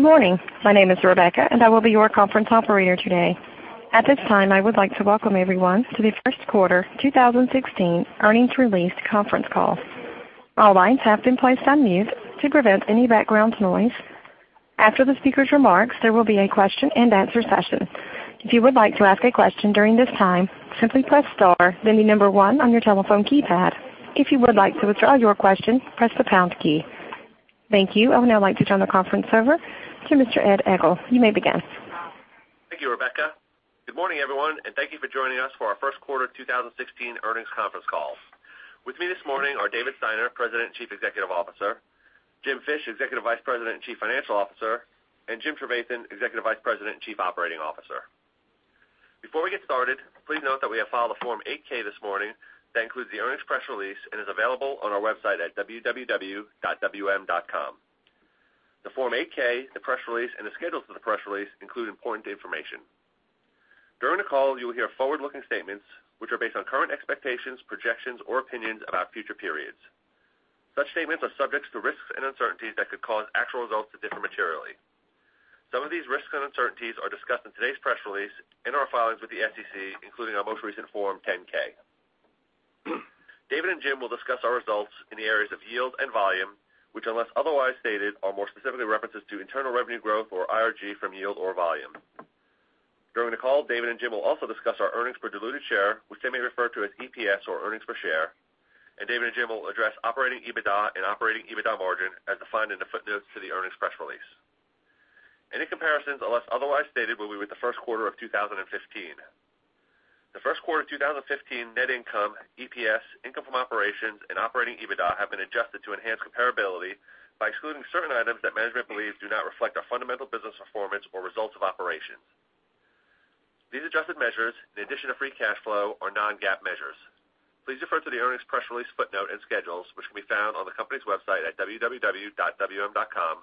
Good morning. My name is Rebecca, and I will be your conference operator today. At this time, I would like to welcome everyone to the first quarter 2016 earnings release conference call. All lines have been placed on mute to prevent any background noise. After the speaker's remarks, there will be a question and answer session. If you would like to ask a question during this time, simply press star, then the number one on your telephone keypad. If you would like to withdraw your question, press the pound key. Thank you. I would now like to turn the conference over to Mr. Ed Egl. You may begin. Thank you, Rebecca. Good morning, everyone, and thank you for joining us for our first quarter 2016 earnings conference call. With me this morning are David Steiner, President and Chief Executive Officer, Jim Fish, Executive Vice President and Chief Financial Officer, and Jim Trevathan, Executive Vice President and Chief Operating Officer. Before we get started, please note that we have filed a Form 8-K this morning that includes the earnings press release and is available on our website at www.wm.com. The Form 8-K, the press release, and the schedules to the press release include important information. During the call, you will hear forward-looking statements, which are based on current expectations, projections, or opinions about future periods. Such statements are subject to risks and uncertainties that could cause actual results to differ materially. Some of these risks and uncertainties are discussed in today's press release in our filings with the SEC, including our most recent Form 10-K. David and Jim will discuss our results in the areas of yield and volume, which, unless otherwise stated, are more specifically references to internal revenue growth, or IRG, from yield or volume. During the call, David and Jim will also discuss our earnings per diluted share, which they may refer to as EPS or earnings per share, and David and Jim will address operating EBITDA and operating EBITDA margin as defined in the footnote to the earnings press release. Any comparisons, unless otherwise stated, will be with the first quarter of 2015. The first quarter of 2015 net income, EPS, income from operations, and operating EBITDA have been adjusted to enhance comparability by excluding certain items that management believes do not reflect our fundamental business performance or results of operations. These adjusted measures, in addition to free cash flow, are non-GAAP measures. Please refer to the earnings press release footnote and schedules, which can be found on the company's website at www.wm.com,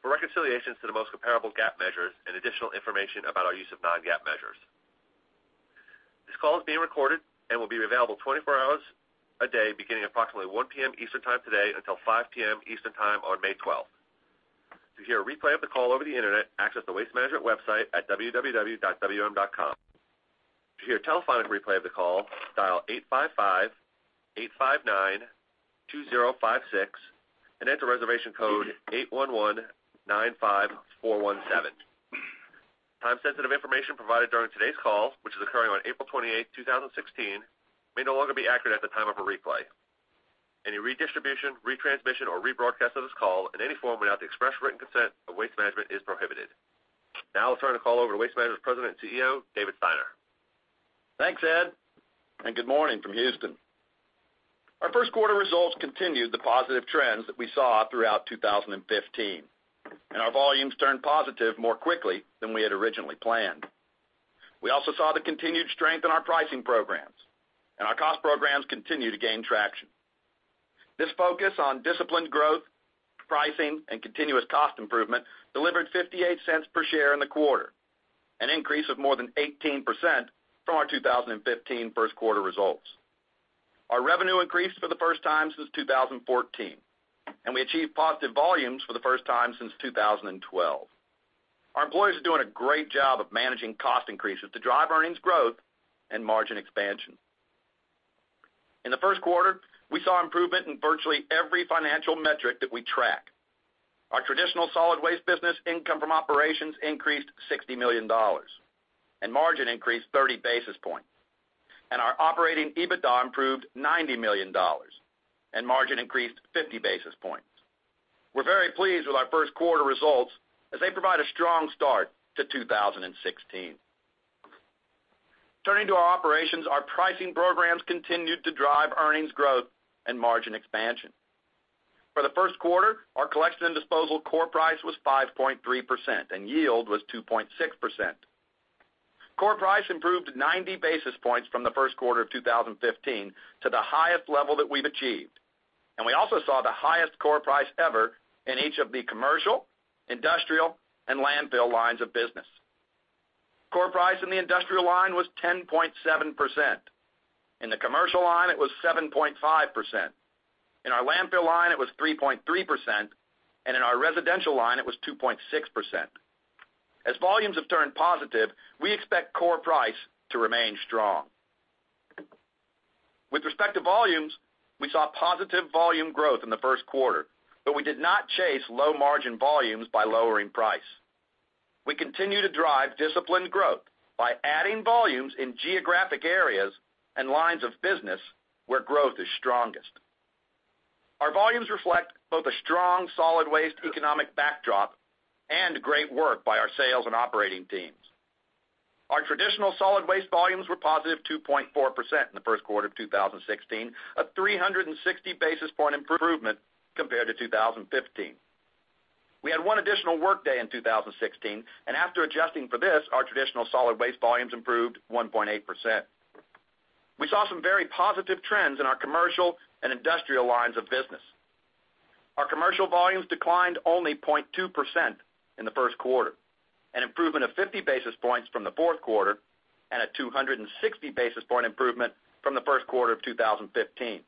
for reconciliations to the most comparable GAAP measures and additional information about our use of non-GAAP measures. This call is being recorded and will be available 24 hours a day, beginning at approximately 1:00 P.M. Eastern Time today until 5:00 P.M. Eastern Time on May 12th. To hear a replay of the call over the internet, access the Waste Management website at www.wm.com. To hear a telephone replay of the call, dial 855-859-2056 and enter reservation code 81195417. Time-sensitive information provided during today's call, which is occurring on April 28th, 2016, may no longer be accurate at the time of a replay. Any redistribution, retransmission, or rebroadcast of this call in any form without the express written consent of Waste Management is prohibited. I'll turn the call over to Waste Management's President and CEO, David Steiner. Thanks, Ed, good morning from Houston. Our first quarter results continued the positive trends that we saw throughout 2015. Our volumes turned positive more quickly than we had originally planned. We also saw the continued strength in our pricing programs. Our cost programs continue to gain traction. This focus on disciplined growth, pricing, and continuous cost improvement delivered $0.58 per share in the quarter, an increase of more than 18% from our 2015 first quarter results. Our revenue increased for the first time since 2014. We achieved positive volumes for the first time since 2012. Our employees are doing a great job of managing cost increases to drive earnings growth and margin expansion. In the first quarter, we saw improvement in virtually every financial metric that we track. Our traditional solid waste business income from operations increased $60 million. Margin increased 30 basis points. Our operating EBITDA improved $90 million. Margin increased 50 basis points. We're very pleased with our first quarter results as they provide a strong start to 2016. Turning to our operations, our pricing programs continued to drive earnings growth and margin expansion. For the first quarter, our collection and disposal core price was 5.3%. Yield was 2.6%. Core price improved 90 basis points from the first quarter of 2015 to the highest level that we've achieved. We also saw the highest core price ever in each of the commercial, industrial, and landfill lines of business. Core price in the industrial line was 10.7%. In the commercial line, it was 7.5%. In our landfill line, it was 3.3%. In our residential line, it was 2.6%. As volumes have turned positive, we expect core price to remain strong. With respect to volumes, we saw positive volume growth in the first quarter. We did not chase low-margin volumes by lowering price. We continue to drive disciplined growth by adding volumes in geographic areas and lines of business where growth is strongest. Our volumes reflect both a strong solid waste economic backdrop and great work by our sales and operating teams. Our traditional solid waste volumes were positive 2.4% in the first quarter of 2016, a 360-basis point improvement compared to 2015. We had one additional workday in 2016. After adjusting for this, our traditional solid waste volumes improved 1.8%. We saw some very positive trends in our commercial and industrial lines of business. Our commercial volumes declined only 0.2% in the first quarter, an improvement of 50 basis points from the fourth quarter and a 260-basis point improvement from the first quarter of 2015.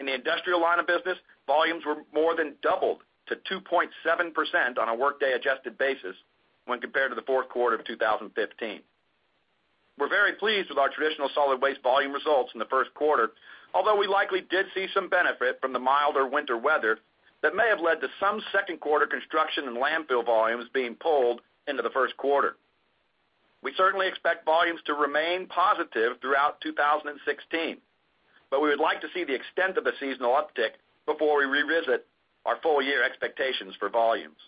In the industrial line of business, volumes were more than doubled to 2.7% on a workday adjusted basis when compared to the fourth quarter of 2015. We're very pleased with our traditional solid waste volume results in the first quarter, although we likely did see some benefit from the milder winter weather that may have led to some second quarter construction and landfill volumes being pulled into the first quarter. We certainly expect volumes to remain positive throughout 2016, but we would like to see the extent of the seasonal uptick before we revisit our full year expectations for volumes.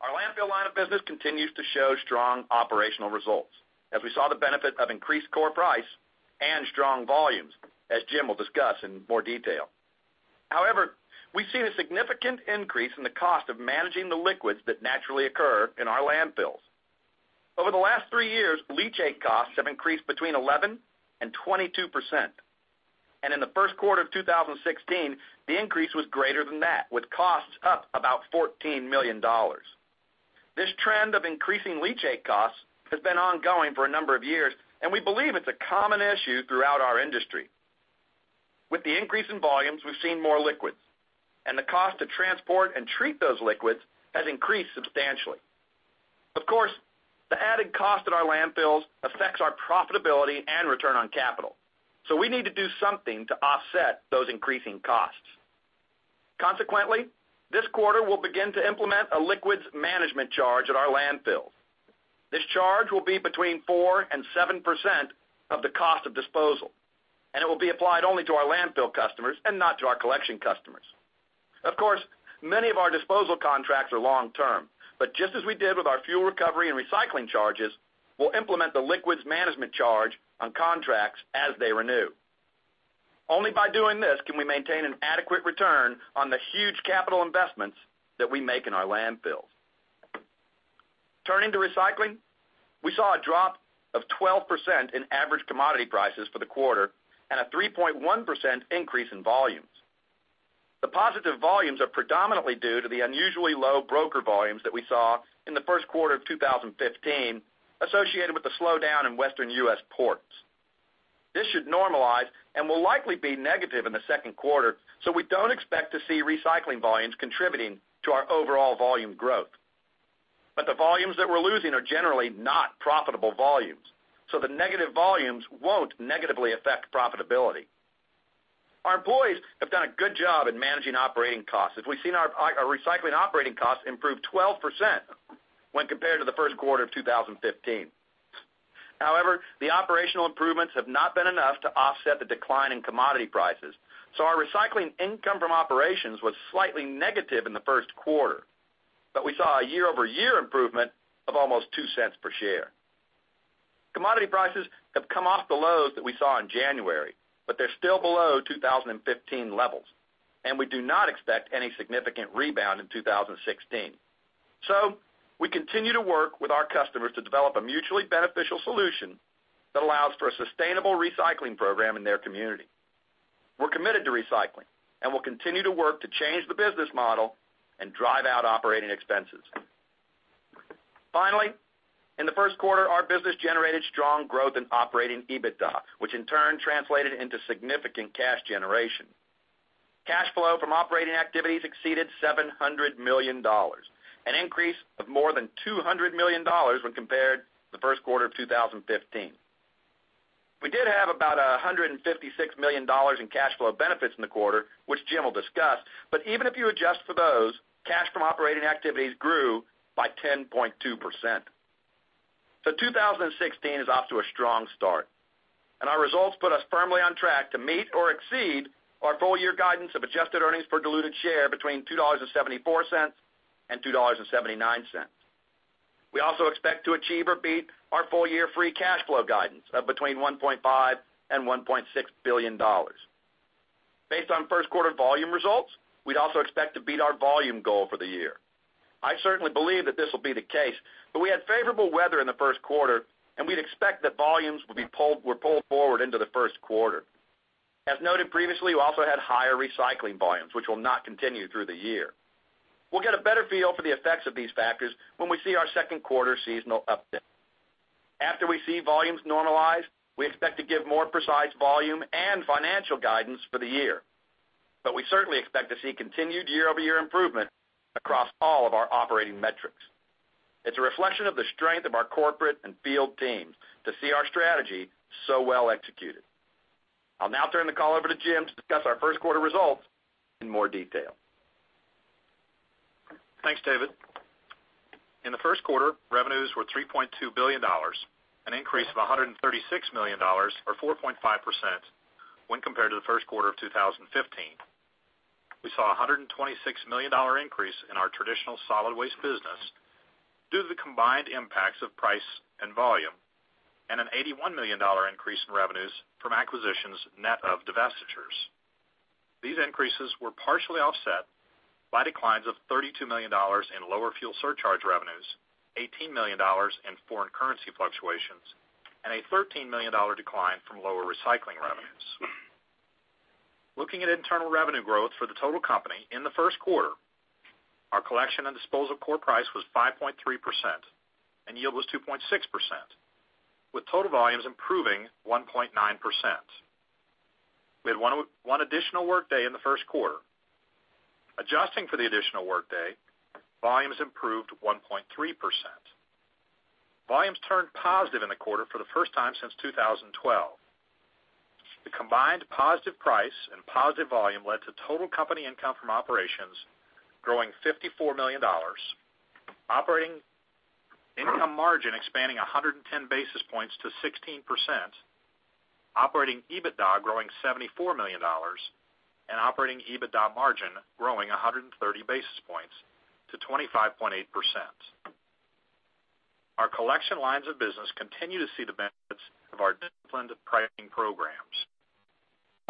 Our landfill line of business continues to show strong operational results as we saw the benefit of increased core price and strong volumes, as Jim will discuss in more detail. However, we've seen a significant increase in the cost of managing the liquids that naturally occur in our landfills. Over the last three years, leachate costs have increased between 11% and 22%. In the first quarter of 2016, the increase was greater than that, with costs up about $14 million. This trend of increasing leachate costs has been ongoing for a number of years, and we believe it's a common issue throughout our industry. With the increase in volumes, we've seen more liquids, and the cost to transport and treat those liquids has increased substantially. Of course, the added cost at our landfills affects our profitability and return on capital, we need to do something to offset those increasing costs. Consequently, this quarter we'll begin to implement a liquids management charge at our landfills. This charge will be between 4% and 7% of the cost of disposal, it will be applied only to our landfill customers and not to our collection customers. Of course, many of our disposal contracts are long-term, just as we did with our fuel recovery and recycling charges, we'll implement the liquids management charge on contracts as they renew. Only by doing this can we maintain an adequate return on the huge capital investments that we make in our landfills. Turning to recycling, we saw a drop of 12% in average commodity prices for the quarter and a 3.1% increase in volumes. The positive volumes are predominantly due to the unusually low broker volumes that we saw in the first quarter of 2015, associated with the slowdown in Western U.S. ports. This should normalize and will likely be negative in the second quarter, we don't expect to see recycling volumes contributing to our overall volume growth. The volumes that we're losing are generally not profitable volumes, the negative volumes won't negatively affect profitability. Our employees have done a good job in managing operating costs, as we've seen our recycling operating costs improve 12% when compared to the first quarter of 2015. However, the operational improvements have not been enough to offset the decline in commodity prices, our recycling income from operations was slightly negative in the first quarter. We saw a year-over-year improvement of almost $0.02 per share. Commodity prices have come off the lows that we saw in January, but they're still below 2015 levels, and we do not expect any significant rebound in 2016. We continue to work with our customers to develop a mutually beneficial solution that allows for a sustainable recycling program in their community. We're committed to recycling and will continue to work to change the business model and drive out operating expenses. Finally, in the first quarter, our business generated strong growth in operating EBITDA, which in turn translated into significant cash generation. Cash flow from operating activities exceeded $700 million, an increase of more than $200 million when compared to the first quarter of 2015. We did have about $156 million in cash flow benefits in the quarter, which Jim will discuss, but even if you adjust for those, cash from operating activities grew by 10.2%. 2016 is off to a strong start, and our results put us firmly on track to meet or exceed our full year guidance of adjusted earnings per diluted share between $2.74 and $2.79. We also expect to achieve or beat our full year free cash flow guidance of between $1.5 billion and $1.6 billion. Based on first quarter volume results, we'd also expect to beat our volume goal for the year. I certainly believe that this will be the case, but we had favorable weather in the first quarter, and we'd expect that volumes were pulled forward into the first quarter. As noted previously, we also had higher recycling volumes, which will not continue through the year. We'll get a better feel for the effects of these factors when we see our second quarter seasonal uptick. After we see volumes normalize, we expect to give more precise volume and financial guidance for the year. We certainly expect to see continued year-over-year improvement across all of our operating metrics. It's a reflection of the strength of our corporate and field teams to see our strategy so well executed. I'll now turn the call over to Jim to discuss our first quarter results in more detail. Thanks, David. In the first quarter, revenues were $3.2 billion, an increase of $136 million or 4.5% when compared to the first quarter of 2015. We saw $126 million increase in our traditional solid waste business due to the combined impacts of price and volume, and an $81 million increase in revenues from acquisitions net of divestitures. These increases were partially offset by declines of $32 million in lower fuel surcharge revenues, $18 million in foreign currency fluctuations, and a $13 million decline from lower recycling revenues. Looking at internal revenue growth for the total company in the first quarter. Our collection and disposal core price was 5.3%, and yield was 2.6%, with total volumes improving 1.9%. We had one additional workday in the first quarter. Adjusting for the additional workday, volumes improved 1.3%. Volumes turned positive in the quarter for the first time since 2012. The combined positive price and positive volume led to total company income from operations growing $54 million, operating income margin expanding 110 basis points to 16%, operating EBITDA growing $74 million, and operating EBITDA margin growing 130 basis points to 25.8%. Our collection lines of business continue to see the benefits of our disciplined pricing programs.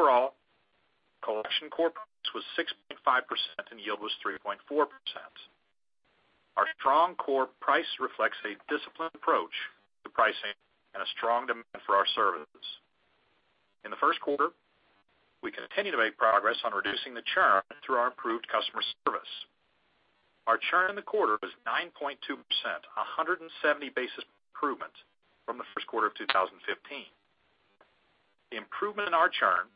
Overall, collection core price was 6.5% and yield was 3.4%. Our strong core price reflects a disciplined approach to pricing and a strong demand for our services. In the first quarter, we continued to make progress on reducing the churn through our improved customer service. Our churn in the quarter was 9.2%, 170 basis point improvement from the first quarter of 2015. The improvement in our churn,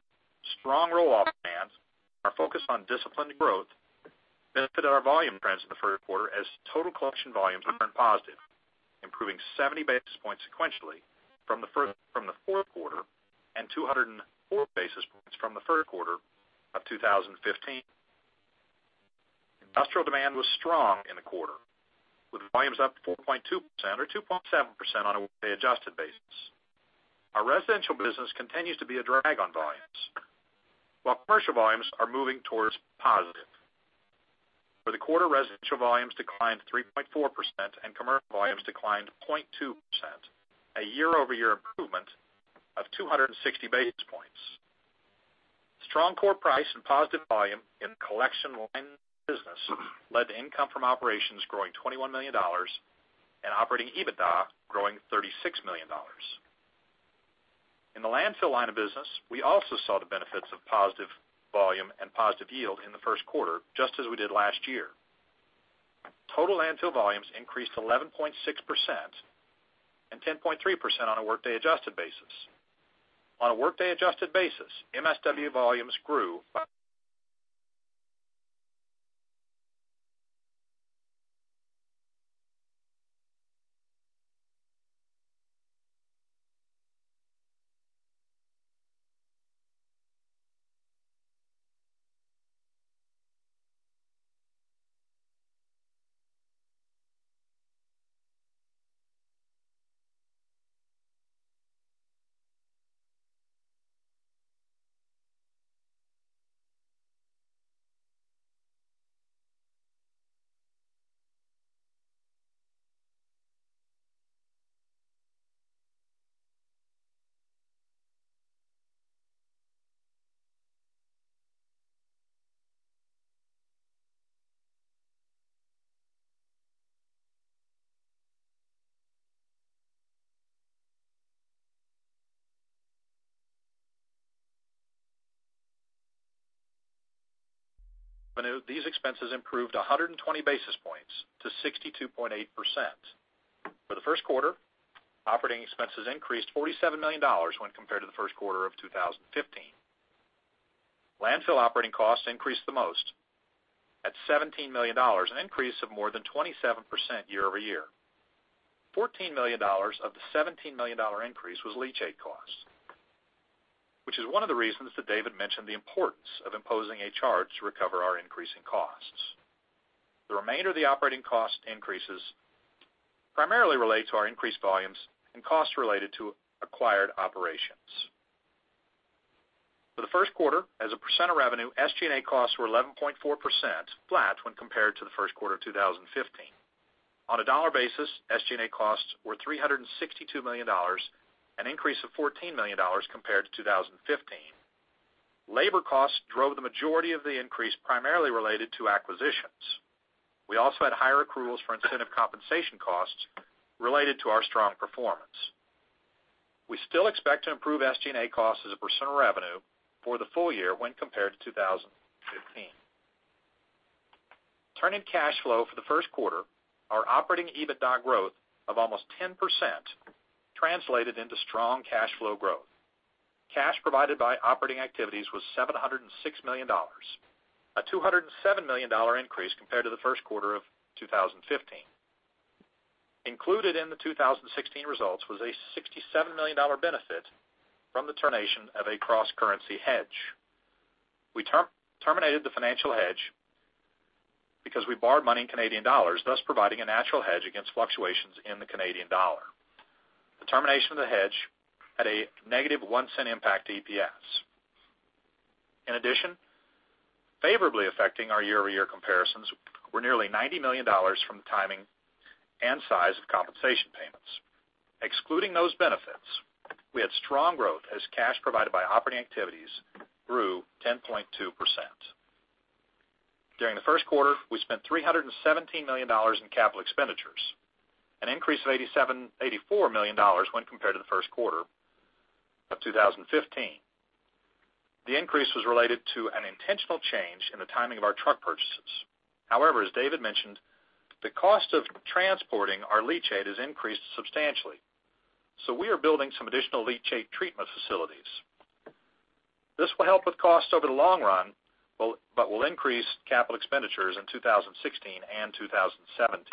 strong roll-off demand, our focus on disciplined growth benefited our volume trends in the first quarter as total collection volumes turned positive, improving 70 basis points sequentially from the fourth quarter and 204 basis points from the first quarter of 2015. Industrial demand was strong in the quarter, with volumes up 4.2% or 2.7% on a workday-adjusted basis. Our residential business continues to be a drag on volumes, while commercial volumes are moving towards positive. For the quarter, residential volumes declined 3.4% and commercial volumes declined 0.2%, a year-over-year improvement of 260 basis points. Strong core price and positive volume in the collection line of business led to income from operations growing $21 million and operating EBITDA growing $36 million. In the landfill line of business, we also saw the benefits of positive volume and positive yield in the first quarter, just as we did last year. Total landfill volumes increased 11.6% and 10.3% on a workday-adjusted basis. On a workday-adjusted basis, MSW volumes grew. These expenses improved 120 basis points to 62.8%. For the first quarter, operating expenses increased $47 million when compared to the first quarter of 2015. Landfill operating costs increased the most at $17 million, an increase of more than 27% year-over-year. $14 million of the $17 million increase was leachate costs, which is one of the reasons that David mentioned the importance of imposing a charge to recover our increasing costs. The remainder of the operating cost increases primarily relate to our increased volumes and costs related to acquired operations. For the first quarter, as a percent of revenue, SG&A costs were 11.4%, flat when compared to the first quarter of 2015. On a dollar basis, SG&A costs were $362 million, an increase of $14 million compared to 2015. Labor costs drove the majority of the increase, primarily related to acquisitions. We also had higher accruals for incentive compensation costs related to our strong performance. We still expect to improve SG&A costs as a percent of revenue for the full year when compared to 2015. Turning to cash flow for the first quarter, our operating EBITDA growth of almost 10% translated into strong cash flow growth. Cash provided by operating activities was $706 million, a $207 million increase compared to the first quarter of 2015. Included in the 2016 results was a $67 million benefit from the termination of a cross-currency hedge. We terminated the financial hedge because we borrowed money in Canadian dollars, thus providing a natural hedge against fluctuations in the Canadian dollar. The termination of the hedge had a negative $0.01 impact to EPS. In addition, favorably affecting our year-over-year comparisons were nearly $90 million from the timing and size of compensation payments. Excluding those benefits, we had strong growth as cash provided by operating activities grew 10.2%. During the first quarter, we spent $317 million in capital expenditures, an increase of $84 million when compared to the first quarter of 2015. The increase was related to an intentional change in the timing of our truck purchases. However, as David mentioned, the cost of transporting our leachate has increased substantially. We are building some additional leachate treatment facilities. This will help with costs over the long run, but will increase capital expenditures in 2016 and 2017.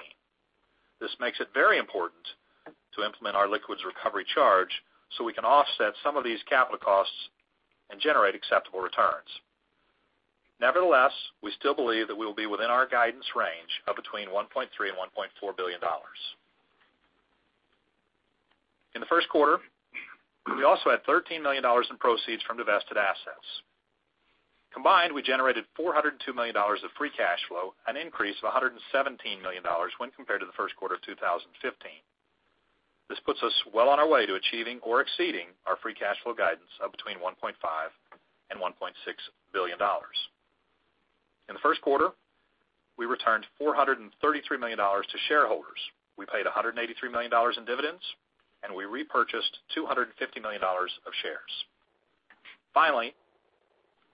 This makes it very important to implement our liquids recovery charge so we can offset some of these capital costs and generate acceptable returns. Nevertheless, we still believe that we will be within our guidance range of between $1.3 billion and $1.4 billion. In the first quarter, we also had $13 million in proceeds from divested assets. Combined, we generated $402 million of free cash flow, an increase of $117 million when compared to the first quarter of 2015. This puts us well on our way to achieving or exceeding our free cash flow guidance of between $1.5 billion and $1.6 billion. In the first quarter, we returned $433 million to shareholders. We paid $183 million in dividends, and we repurchased $250 million of shares. Finally,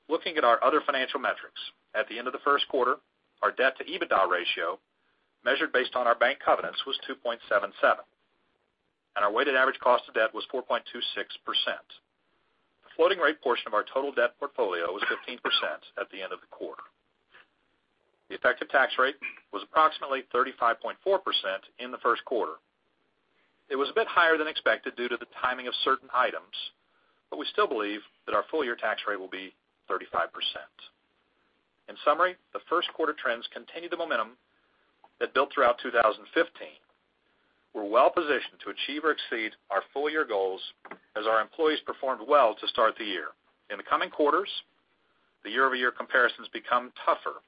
looking at our other financial metrics. At the end of the first quarter, our debt-to-EBITDA ratio, measured based on our bank covenants, was 2.77, and our weighted average cost of debt was 4.26%. The floating rate portion of our total debt portfolio was 15% at the end of the quarter. The effective tax rate was approximately 35.4% in the first quarter. It was a bit higher than expected due to the timing of certain items, but we still believe that our full-year tax rate will be 35%. In summary, the first quarter trends continue the momentum that built throughout 2015. We're well positioned to achieve or exceed our full-year goals as our employees performed well to start the year. In the coming quarters, the year-over-year comparisons become tougher,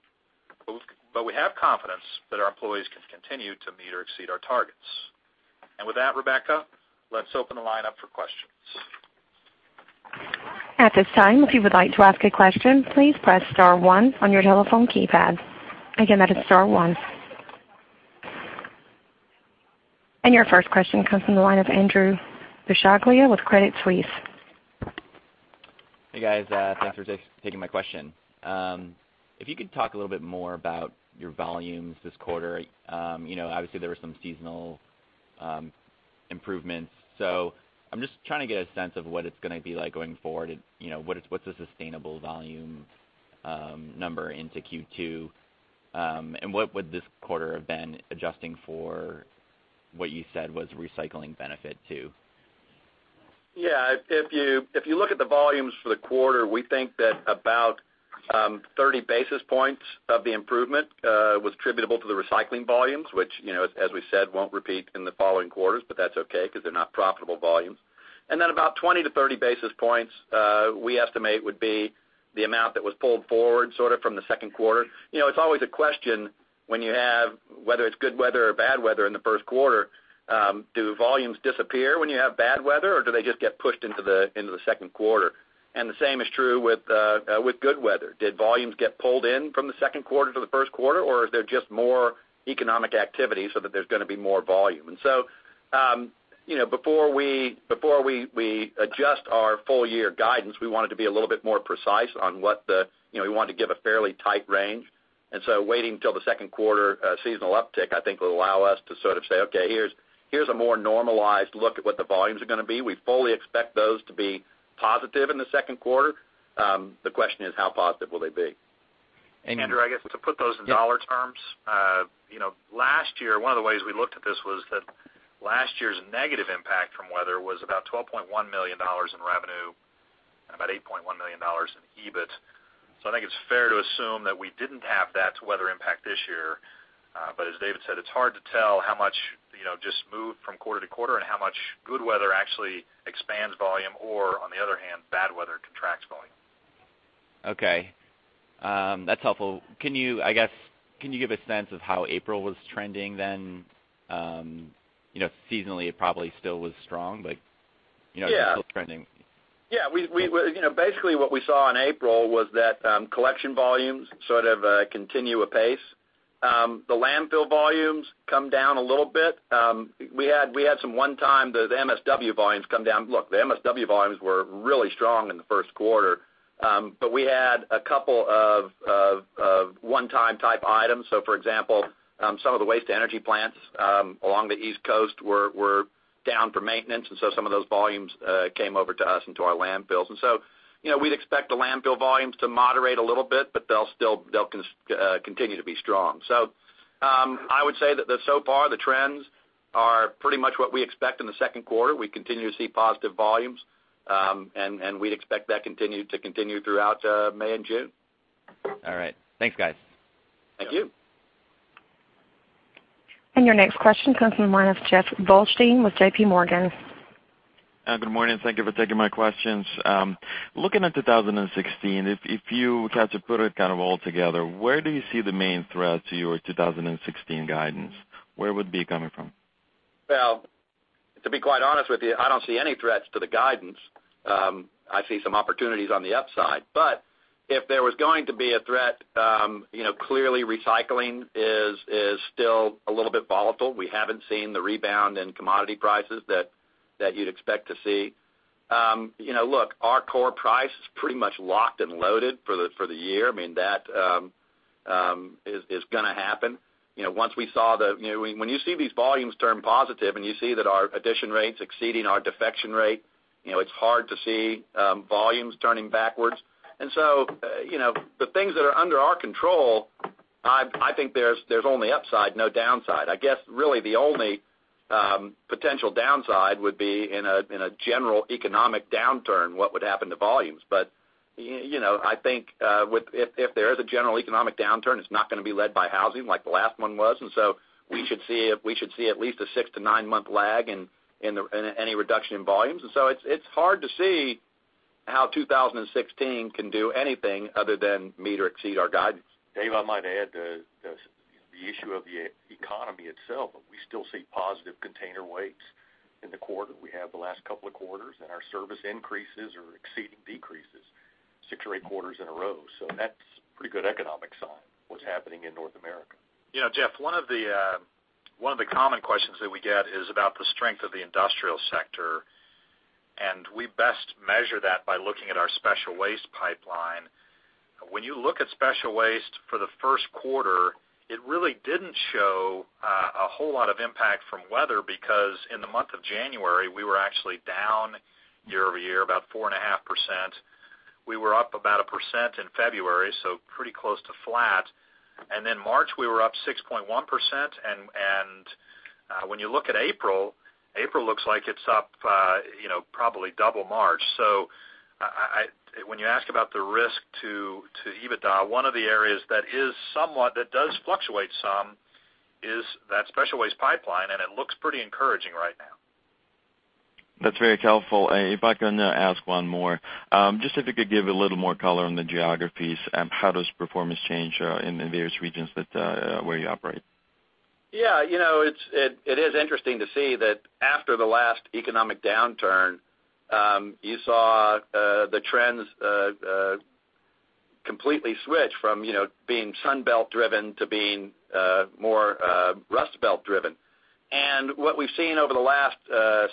but we have confidence that our employees can continue to meet or exceed our targets. With that, Rebecca, let's open the line up for questions. At this time, if you would like to ask a question, please press *1 on your telephone keypad. Again, that is *1. Your first question comes from the line of Andrew Buscaglia with Credit Suisse. Hey, guys. Thanks for taking my question. If you could talk a little bit more about your volumes this quarter. Obviously, there were some seasonal improvements. I'm just trying to get a sense of what it's going to be like going forward. What's a sustainable volume number into Q2? What would this quarter have been adjusting for what you said was recycling benefit, too? Yeah. If you look at the volumes for the quarter, we think that about 30 basis points of the improvement was attributable to the recycling volumes, which, as we said, won't repeat in the following quarters, but that's okay because they're not profitable volumes. About 20 to 30 basis points we estimate would be the amount that was pulled forward from the second quarter. It's always a question when you have, whether it's good weather or bad weather in the first quarter, do volumes disappear when you have bad weather, or do they just get pushed into the second quarter? The same is true with good weather. Did volumes get pulled in from the second quarter to the first quarter, or is there just more economic activity so that there's going to be more volume? Before we adjust our full-year guidance, we wanted to be a little bit more precise. We wanted to give a fairly tight range. Waiting till the second quarter seasonal uptick, I think, will allow us to say, "Okay, here's a more normalized look at what the volumes are going to be." We fully expect those to be positive in the second quarter. The question is, how positive will they be? And- Andrew, I guess to put those in dollar terms, last year, one of the ways we looked at this was that last year's negative impact from weather was about $12.1 million in revenue and about $8.1 million in EBIT. I think it's fair to assume that we didn't have that weather impact this year. As David said, it's hard to tell how much just moved from quarter to quarter and how much good weather actually expands volume or, on the other hand, bad weather contracts volume. Okay. That's helpful. I guess, can you give a sense of how April was trending then? Seasonally, it probably still was strong. Yeah. Still trending. Yeah. Basically, what we saw in April was that collection volumes sort of continue apace. The landfill volumes come down a little bit. We had some one-time, the MSW volumes come down. Look, the MSW volumes were really strong in the first quarter. We had a couple of one-time type items. For example, some of the waste energy plants along the East Coast were down for maintenance, some of those volumes came over to us into our landfills. We'd expect the landfill volumes to moderate a little bit, they'll continue to be strong. I would say that so far the trends are pretty much what we expect in the second quarter. We continue to see positive volumes. We'd expect that to continue throughout May and June. All right. Thanks, guys. Thank you. Your next question comes from the line of Jeff Goldstein with JPMorgan. Good morning. Thank you for taking my questions. Looking at 2016, if you had to put it all together, where do you see the main threat to your 2016 guidance? Where would it be coming from? Well, to be quite honest with you, I don't see any threats to the guidance. I see some opportunities on the upside. If there was going to be a threat, clearly recycling is still a little bit volatile. We haven't seen the rebound in commodity prices that you'd expect to see. Look, our core price is pretty much locked and loaded for the year. That is going to happen. When you see these volumes turn positive and you see that our addition rate's exceeding our defection rate, it's hard to see volumes turning backwards. The things that are under our control, I think there's only upside, no downside. I guess really the only potential downside would be in a general economic downturn, what would happen to volumes. I think if there is a general economic downturn, it's not going to be led by housing like the last one was. We should see at least a 6 to 9-month lag in any reduction in volumes. It's hard to see how 2016 can do anything other than meet or exceed our guidance. Dave, I might add, the issue of the economy itself, we still see positive container weights in the quarter. We have the last couple of quarters, our service increases are exceeding decreases 6 or 8 quarters in a row. That's a pretty good economic sign, what's happening in North America. Jeff, one of the common questions that we get is about the strength of the industrial sector, we best measure that by looking at our special waste pipeline. When you look at special waste for the first quarter, it really didn't show a whole lot of impact from weather, in the month of January, we were actually down year-over-year about 4.5%. We were up about 1% in February, pretty close to flat. March, we were up 6.1%, when you look at April looks like it's up probably double March. When you ask about the risk to EBITDA, one of the areas that does fluctuate some is that special waste pipeline, and it looks pretty encouraging right now. That's very helpful. If I can ask one more, just if you could give a little more color on the geographies. How does performance change in the various regions where you operate? Yeah. It is interesting to see that after the last economic downturn, you saw the trends completely switch from being Sun Belt driven to being more Rust Belt driven. What we've seen over the last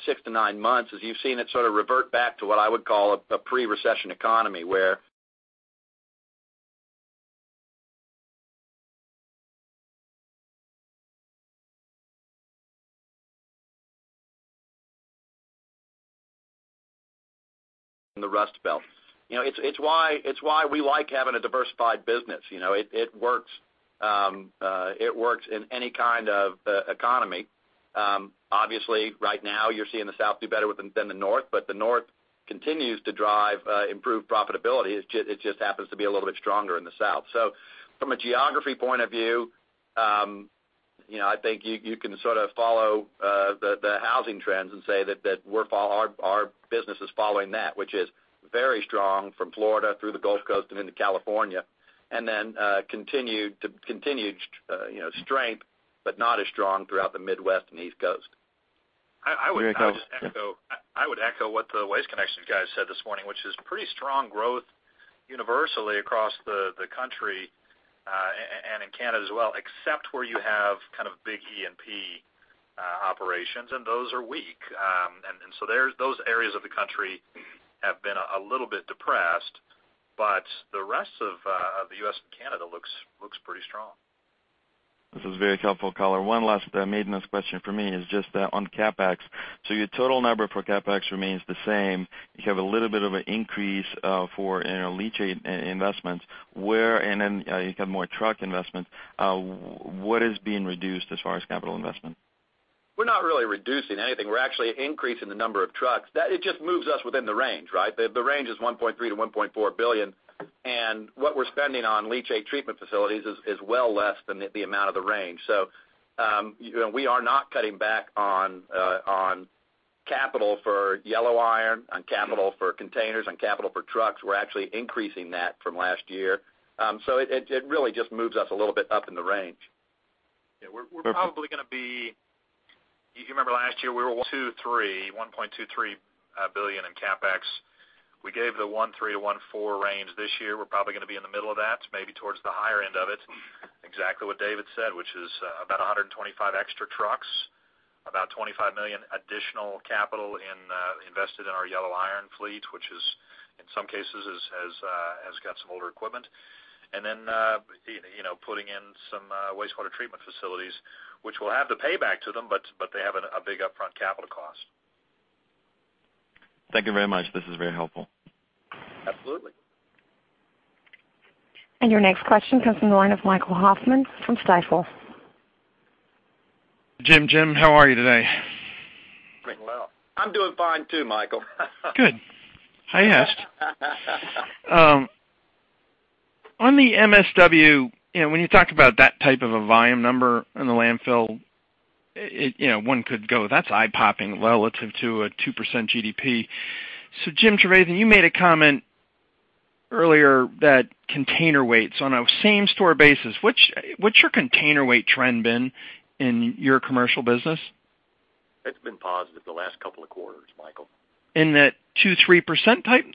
six to nine months is you've seen it sort of revert back to what I would call a pre-recession economy where in the Rust Belt. It's why we like having a diversified business. It works in any kind of economy. Obviously, right now you're seeing the South do better than the North, but the North continues to drive improved profitability. It just happens to be a little bit stronger in the South. From a geography point of view, I think you can sort of follow the housing trends and say that our business is following that, which is very strong from Florida through the Gulf Coast and into California, and then continued strength, but not as strong throughout the Midwest and East Coast. Very helpful. I would echo what the Waste Connections guys said this morning, which is pretty strong growth universally across the country, and in Canada as well, except where you have kind of big E&P operations, and those are weak. Those areas of the country have been a little bit depressed, but the rest of the U.S. and Canada looks pretty strong. This is very helpful color. One last maintenance question for me is just on CapEx. Your total number for CapEx remains the same. You have a little bit of an increase for leachate investments. You have more truck investments. What is being reduced as far as capital investment? We're not really reducing anything. We're actually increasing the number of trucks. It just moves us within the range, right? The range is $1.3 billion-$1.4 billion, what we're spending on leachate treatment facilities is well less than the amount of the range. We are not cutting back on capital for yellow iron, on capital for containers, on capital for trucks. We're actually increasing that from last year. It really just moves us a little bit up in the range. Yeah. We're probably going to be You remember last year, we were $1.23 billion in CapEx. We gave the $1.3 billion-$1.4 billion range this year. We're probably going to be in the middle of that, maybe towards the higher end of it. Exactly what David said, which is about 125 extra trucks, about $25 million additional capital invested in our yellow iron fleet, which in some cases has got some older equipment. Putting in some wastewater treatment facilities, which will have the payback to them, but they have a big upfront capital cost. Thank you very much. This is very helpful. Absolutely. Your next question comes from the line of Michael Hoffman from Stifel. Jim, how are you today? Pretty well. I'm doing fine too, Michael. Good. I asked. On the MSW, when you talk about that type of a volume number in the landfill, one could go, "That's eye-popping relative to a 2% GDP." Jim Trevathan, you made a comment earlier that container weights on a same-store basis, what's your container weight trend been in your commercial business? That's been positive the last couple of quarters, Michael. In that 2%, 3% type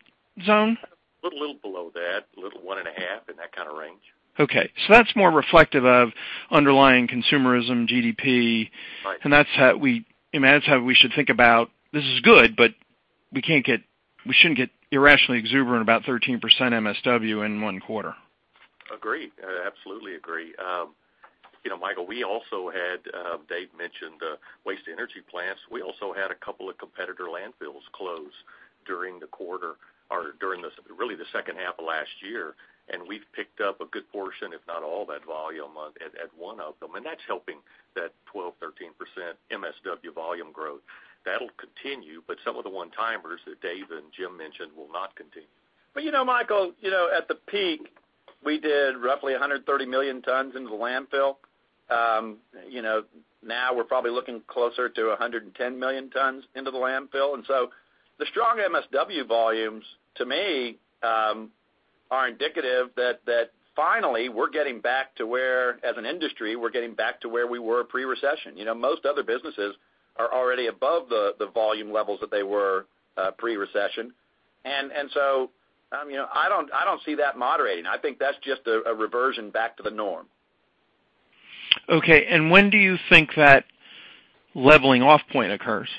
zone? A little below that. A little one and a half, in that kind of range. That's more reflective of underlying consumerism, GDP. Right. That's how we should think about, this is good, but we shouldn't get irrationally exuberant about 13% MSW in one quarter. Agree. Absolutely agree. Dave mentioned the waste energy plants. We also had a couple of competitor landfills close during the quarter, or during, really, the second half of last year, and we've picked up a good portion, if not all of that volume at one of them, and that's helping that 12%, 13% MSW volume growth. That'll continue, but some of the one-timers that Dave and Jim mentioned will not continue. Michael, at the peak, we did roughly 130 million tons into the landfill. Now we're probably looking closer to 110 million tons into the landfill, the strong MSW volumes, to me, are indicative that finally, as an industry, we're getting back to where we were pre-recession. Most other businesses are already above the volume levels that they were pre-recession. I don't see that moderating. I think that's just a reversion back to the norm. Okay, when do you think that leveling off point occurs,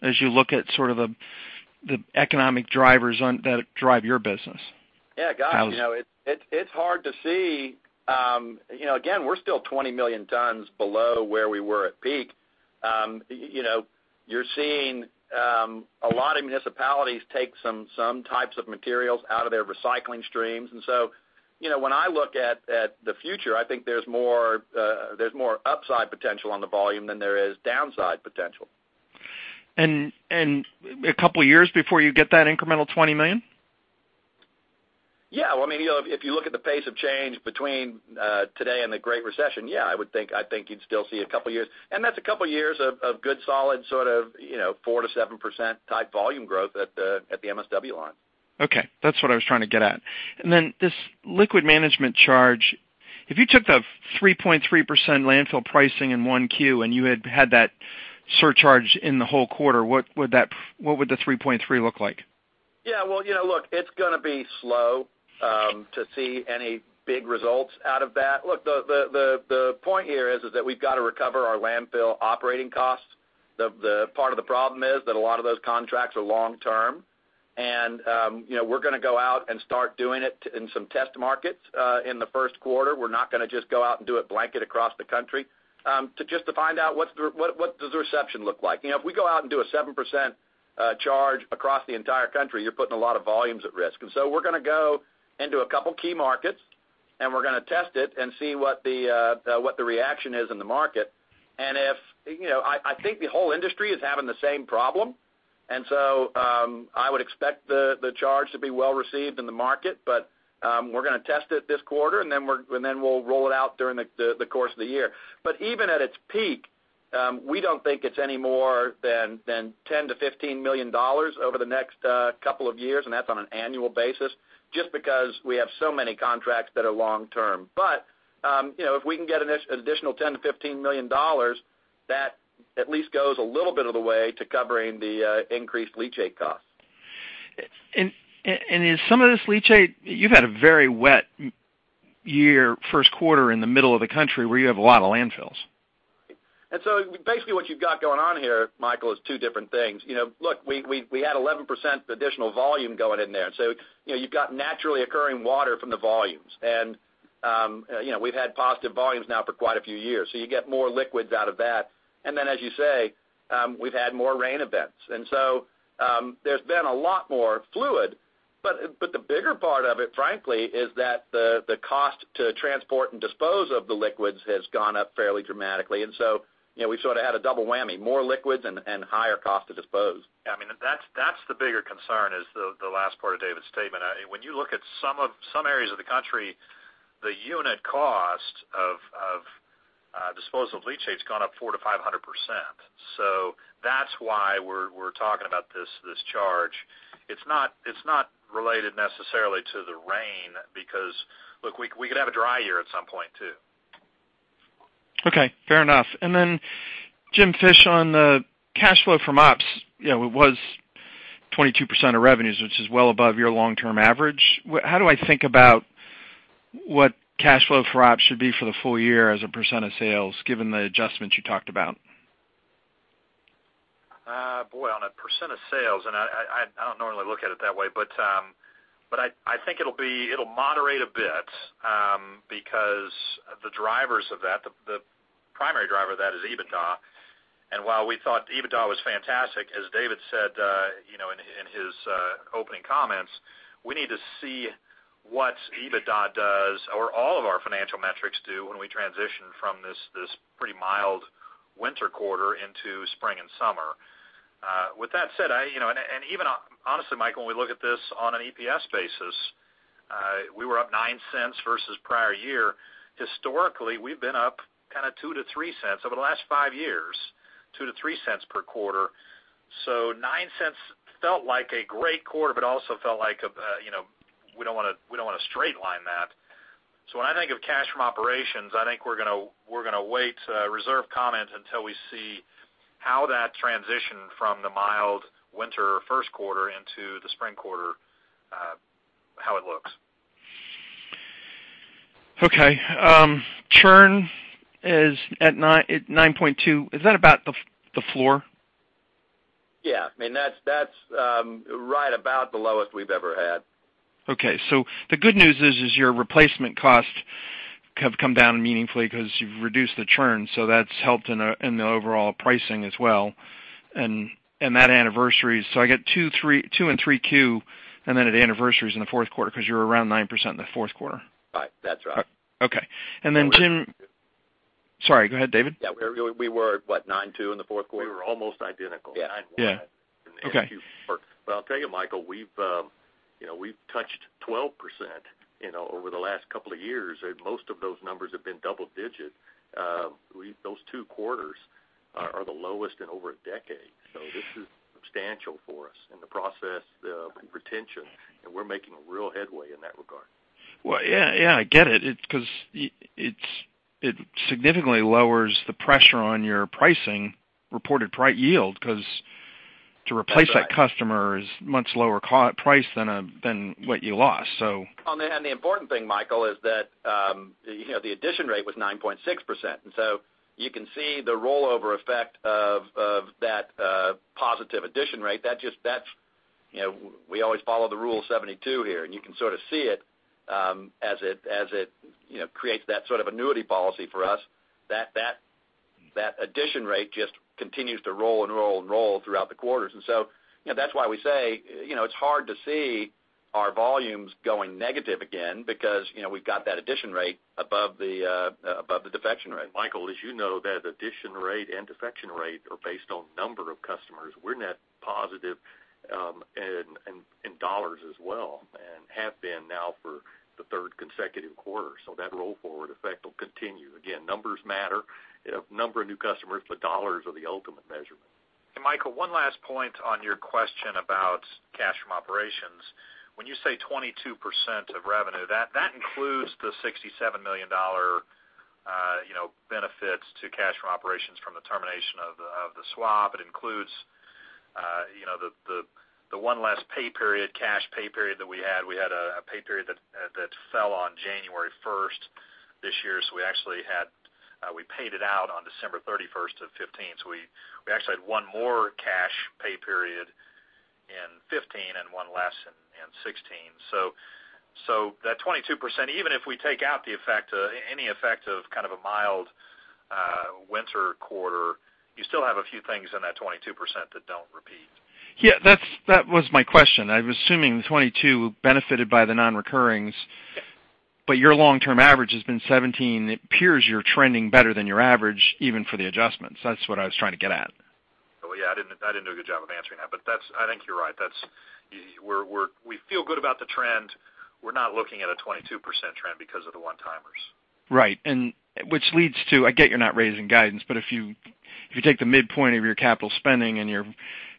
as you look at the economic drivers that drive your business? Yeah, gosh, it's hard to see. Again, we're still 20 million tons below where we were at peak. You're seeing a lot of municipalities take some types of materials out of their recycling streams. When I look at the future, I think there's more upside potential on the volume than there is downside potential. A couple of years before you get that incremental 20 million? If you look at the pace of change between today and the Great Recession, I think you'd still see a couple of years. That's a couple of years of good, solid 4%-7% type volume growth at the MSW line. Okay. That's what I was trying to get at. Then this liquid management charge, if you took the 3.3% landfill pricing in 1Q and you had had that surcharge in the whole quarter, what would the 3.3 look like? Look, it's going to be slow to see any big results out of that. Look, the point here is that we've got to recover our landfill operating costs. The part of the problem is that a lot of those contracts are long-term. We're going to go out and start doing it in some test markets in the first quarter. We're not going to just go out and do it blanket across the country, just to find out what does the reception look like. If we go out and do a 7% charge across the entire country, you're putting a lot of volumes at risk. So we're going to go into a couple of key markets, and we're going to test it and see what the reaction is in the market. I think the whole industry is having the same problem, so I would expect the charge to be well-received in the market, we're going to test it this quarter, then we'll roll it out during the course of the year. Even at its peak, we don't think it's any more than $10 million-$15 million over the next couple of years, that's on an annual basis, just because we have so many contracts that are long-term. If we can get an additional $10 million-$15 million, that at least goes a little bit of the way to covering the increased leachate costs. Is some of this leachate? You've had a very wet year, first quarter in the middle of the country where you have a lot of landfills. Basically what you've got going on here, Michael, is two different things. Look, we had 11% additional volume going in there. You've got naturally occurring water from the volumes. We've had positive volumes now for quite a few years, so you get more liquids out of that. Then, as you say, we've had more rain events. There's been a lot more fluid, but the bigger part of it, frankly, is that the cost to transport and dispose of the liquids has gone up fairly dramatically. We sort of had a double whammy, more liquids and higher cost to dispose. That's the bigger concern is the last part of David's statement. When you look at some areas of the country, the unit cost of disposal of leachate has gone up 400%-500%. That's why we're talking about this charge. It's not related necessarily to the rain, because look, we could have a dry year at some point, too. Okay. Fair enough. Jim Fish, on the cash flow from ops, it was 22% of revenues, which is well above your long-term average. How do I think about what cash flow for ops should be for the full year as a percent of sales, given the adjustments you talked about? Boy, on a % of sales, I don't normally look at it that way, I think it'll moderate a bit, because the drivers of that, the primary driver of that is EBITDA. While we thought EBITDA was fantastic, as David said in his opening comments, we need to see what EBITDA does, or all of our financial metrics do, when we transition from this pretty mild winter quarter into spring and summer. With that said, even honestly, Michael, when we look at this on an EPS basis, we were up $0.09 versus prior year. Historically, we've been up kind of $0.02-$0.03 over the last five years, $0.02-$0.03 per quarter. $0.09 felt like a great quarter, also felt like we don't want to straight line that. When I think of cash from operations, I think we're going to wait to reserve comment until we see how that transition from the mild winter first quarter into the spring quarter, how it looks. Okay. Churn is at 9.2%. Is that about the floor? Yeah. That's right about the lowest we've ever had. The good news is your replacement costs have come down meaningfully because you've reduced the churn, so that's helped in the overall pricing as well. That anniversary, so I get 2 and 3Q, and then at anniversaries in the fourth quarter, because you were around 9% in the fourth quarter. Right. That's right. Okay. Then, Jim. Sorry, go ahead, David. Yeah. We were, what, 9.2 in the fourth quarter? We were almost identical. Yeah. Yeah. Okay. I'll tell you, Michael, we've touched 12% over the last couple of years, and most of those numbers have been double digit. Those two quarters are the lowest in over a decade. This is substantial for us in the process, the retention, and we're making a real headway in that regard. Well, yeah. I get it. It significantly lowers the pressure on your pricing, reported price yield, because to replace that customer is much lower price than what you lost. The important thing, Michael, is that the addition rate was 9.6%. You can see the rollover effect of that positive addition rate. We always follow the Rule of 72 here, and you can sort of see it as it creates that sort of annuity policy for us, that addition rate just continues to roll and roll and roll throughout the quarters. That's why we say it's hard to see our volumes going negative again because we've got that addition rate above the defection rate. Michael, as you know, that addition rate and defection rate are based on number of customers. We're net positive in dollars as well and have been now for the third consecutive quarter. That roll-forward effect will continue. Numbers matter, number of new customers, but dollars are the ultimate measurement. Michael, one last point on your question about cash from operations. When you say 22% of revenue, that includes the $67 million benefits to cash from operations from the termination of the swap. It includes the one last cash pay period that we had. We had a pay period that fell on January 1st this year, we paid it out on December 31st of 2015. We actually had one more cash pay period in 2015 and one less in 2016. That 22%, even if we take out any effect of a mild winter quarter, you still have a few things in that 22% that don't repeat. Yeah, that was my question. I'm assuming the 22% benefited by the non-recurrings, your long-term average has been 17%. It appears you're trending better than your average, even for the adjustments. That's what I was trying to get at. I didn't do a good job of answering that, but I think you're right. We feel good about the trend. We're not looking at a 22% trend because of the one-timers. Right. I get you're not raising guidance, but if you take the midpoint of your capital spending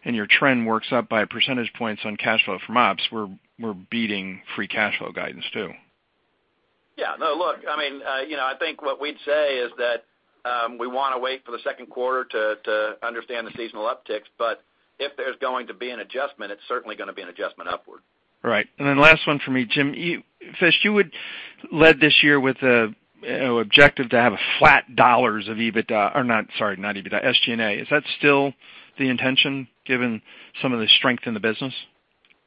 and your trend works up by percentage points on cash flow from ops, we're beating free cash flow guidance, too. Yeah. No, look, I think what we'd say is that we want to wait for the second quarter to understand the seasonal upticks, but if there's going to be an adjustment, it's certainly going to be an adjustment upward. Right. Last one for me, Jim Fish, you had led this year with an objective to have a flat dollars of EBITDA. Or not, sorry, not EBITDA, SG&A. Is that still the intention given some of the strength in the business?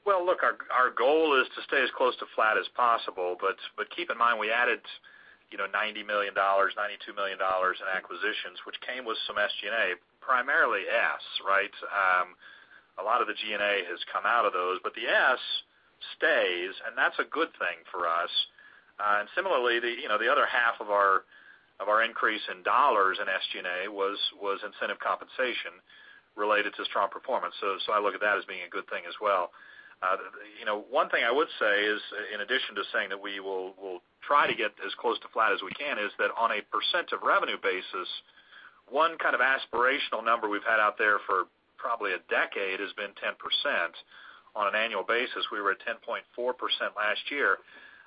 Well, look, our goal is to stay as close to flat as possible, keep in mind, we added $90 million, $92 million in acquisitions, which came with some SG&A, primarily S, right? A lot of the G&A has come out of those, but the S stays, and that's a good thing for us. Similarly, the other half of our increase in dollars in SG&A was incentive compensation related to strong performance. I look at that as being a good thing as well. One thing I would say is, in addition to saying that we will try to get as close to flat as we can, is that on a % of revenue basis, one aspirational number we've had out there for probably a decade has been 10%. On an annual basis, we were at 10.4% last year.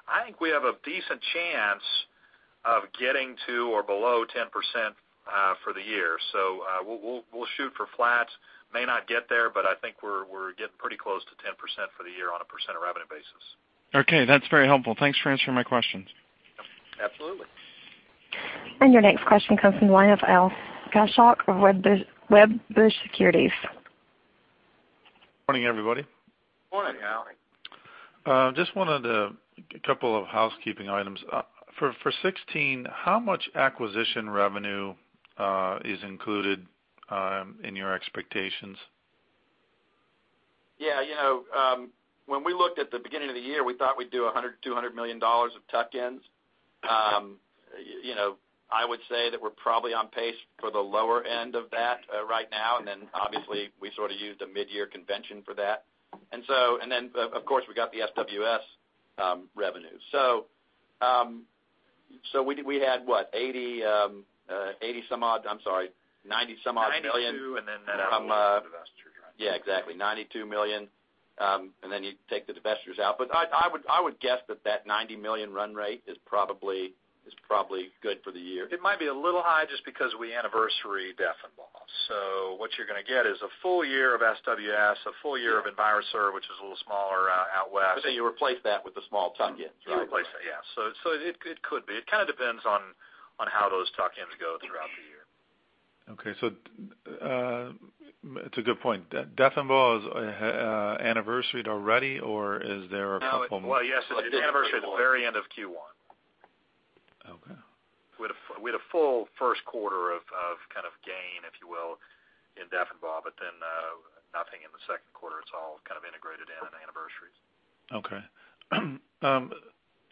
I think we have a decent chance of getting to or below 10% for the year. We'll shoot for flat. May not get there, I think we're getting pretty close to 10% for the year on a % of revenue basis. Okay. That's very helpful. Thanks for answering my questions. Absolutely. Your next question comes from the line of Al Kaschalk of Wedbush Securities. Morning, everybody. Morning, Al. Just wanted a couple of housekeeping items. For 2016, how much acquisition revenue is included in your expectations? Yeah. When we looked at the beginning of the year, we thought we'd do $100 million, $200 million of tuck-ins. I would say that we're probably on pace for the lower end of that right now, then obviously we sort of used a mid-year convention for that. Then, of course, we got the SWS revenue. We had what? 80 some odd I'm sorry, $90 some odd million. $92, and then that out with the divestiture. Yeah, exactly. $92 million, and then you take the divestitures out. I would guess that that $90 million run rate is probably good for the year. It might be a little high just because we anniversary Deffenbaugh. What you're going to get is a full year of SWS, a full year of Enviro-Serv, which is a little smaller out west. You replace that with the small tuck-ins, right? You replace it, yeah. It could be. It kind of depends on how those tuck-ins go throughout the year. Okay. It's a good point. Deffenbaugh is anniversaried already, or is there a couple? Yes, it anniversaried the very end of Q1. Okay. We had a full first quarter of kind of gain, if you will, in Deffenbaugh, but then nothing in the second quarter. It's all kind of integrated in and anniversaried. Okay.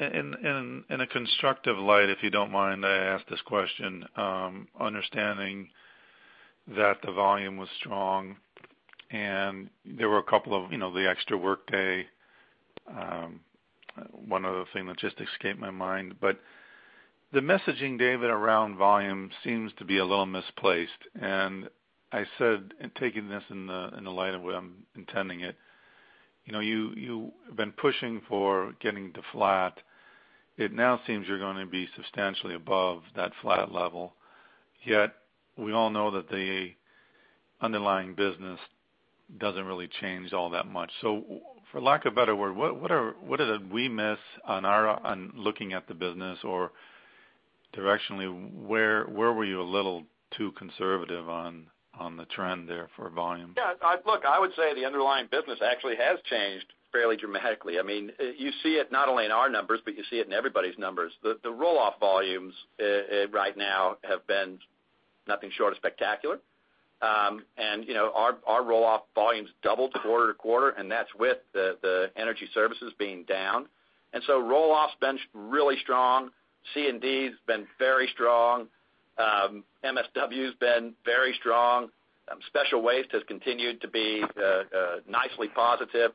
In a constructive light, if you don't mind I ask this question, understanding that the volume was strong and there were a couple of the extra workday, one other thing that just escaped my mind. The messaging, David, around volume seems to be a little misplaced, and I said, and taking this in the light of the way I'm intending it. You have been pushing for getting to flat. It now seems you're going to be substantially above that flat level, yet we all know that the underlying business doesn't really change all that much. For lack of a better word, what did we miss on looking at the business? Directionally, where were you a little too conservative on the trend there for volume? Yeah, look, I would say the underlying business actually has changed fairly dramatically. You see it not only in our numbers, but you see it in everybody's numbers. The roll-off volumes right now have been nothing short of spectacular. Our roll-off volumes doubled quarter to quarter, and that's with the energy services being down. Roll-off's been really strong. C&D's been very strong. MSW's been very strong. Special waste has continued to be nicely positive.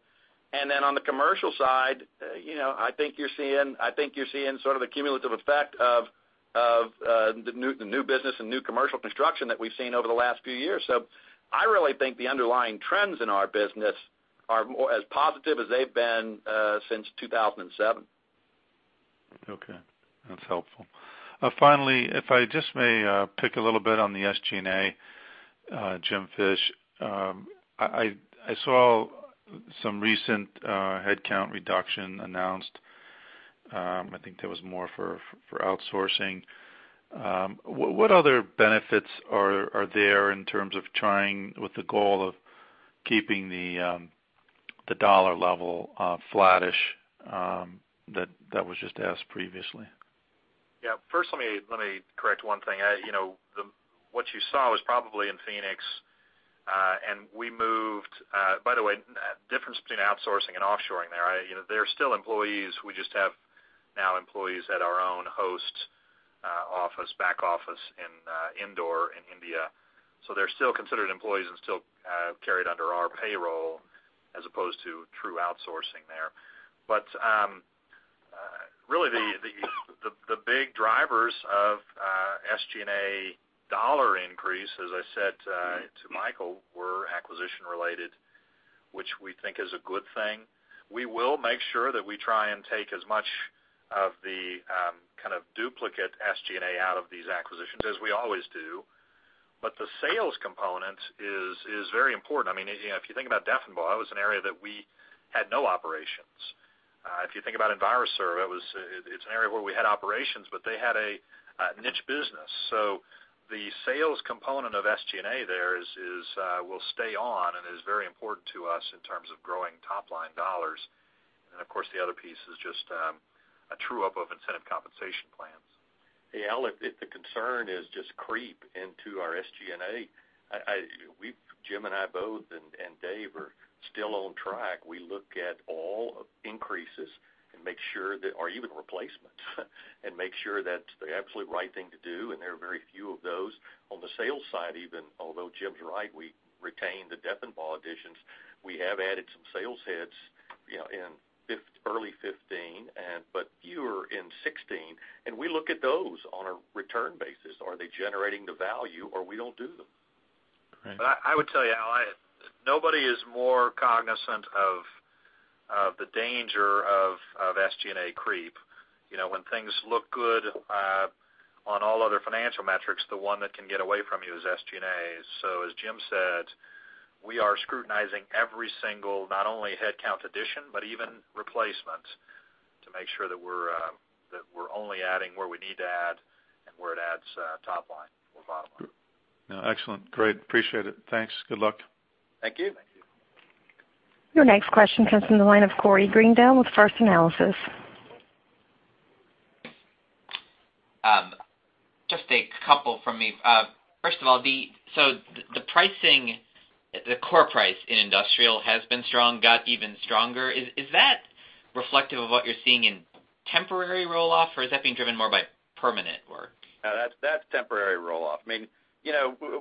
Then on the commercial side, I think you're seeing sort of the cumulative effect of the new business and new commercial construction that we've seen over the last few years. I really think the underlying trends in our business are as positive as they've been since 2007. Okay. That's helpful. Finally, if I just may pick a little bit on the SG&A, Jim Fish. I saw some recent headcount reduction announced. I think that was more for outsourcing. What other benefits are there in terms of trying with the goal of keeping the dollar level flattish that was just asked previously? First, let me correct one thing. What you saw was probably in Phoenix, and we moved By the way, difference between outsourcing and offshoring there. They're still employees. We just have now employees at our own host office, back office in Indore in India. They're still considered employees and still carried under our payroll as opposed to true outsourcing there. Really the big drivers of SG&A dollar increase, as I said to Michael, were acquisition related, which we think is a good thing. We will make sure that we try and take as much of the kind of duplicate SG&A out of these acquisitions, as we always do. The sales component is very important. If you think about Deffenbaugh, it was an area that we had no operations. If you think about EnviroServ, it's an area where we had operations, but they had a niche business. The sales component of SG&A there will stay on and is very important to us in terms of growing top-line dollars. Of course, the other piece is just a true-up of incentive compensation plans. Al, if the concern is just creep into our SG&A, Jim and I both, and Dave, are still on track. We look at all increases and make sure that Or even replacements, and make sure that's the absolute right thing to do, and there are very few of those. On the sales side even, although Jim's right, we retained the Deffenbaugh additions. We have added some sales heads in early 2015, but fewer in 2016. We look at those on a return basis. Are they generating the value, or we don't do them. Right. I would tell you, Al, nobody is more cognizant of the danger of SG&A creep. When things look good on all other financial metrics, the one that can get away from you is SG&A. As Jim said, we are scrutinizing every single, not only headcount addition, but even replacement to make sure that we're only adding where we need to add and where it adds top line or bottom line. Excellent. Great. Appreciate it. Thanks. Good luck. Thank you. Thank you. Your next question comes from the line of Corey Greendale with First Analysis. Just a couple from me. First of all, the pricing, the core price in industrial has been strong, got even stronger. Is that reflective of what you're seeing in temporary roll-off, or is that being driven more by permanent work? No, that's temporary roll-off.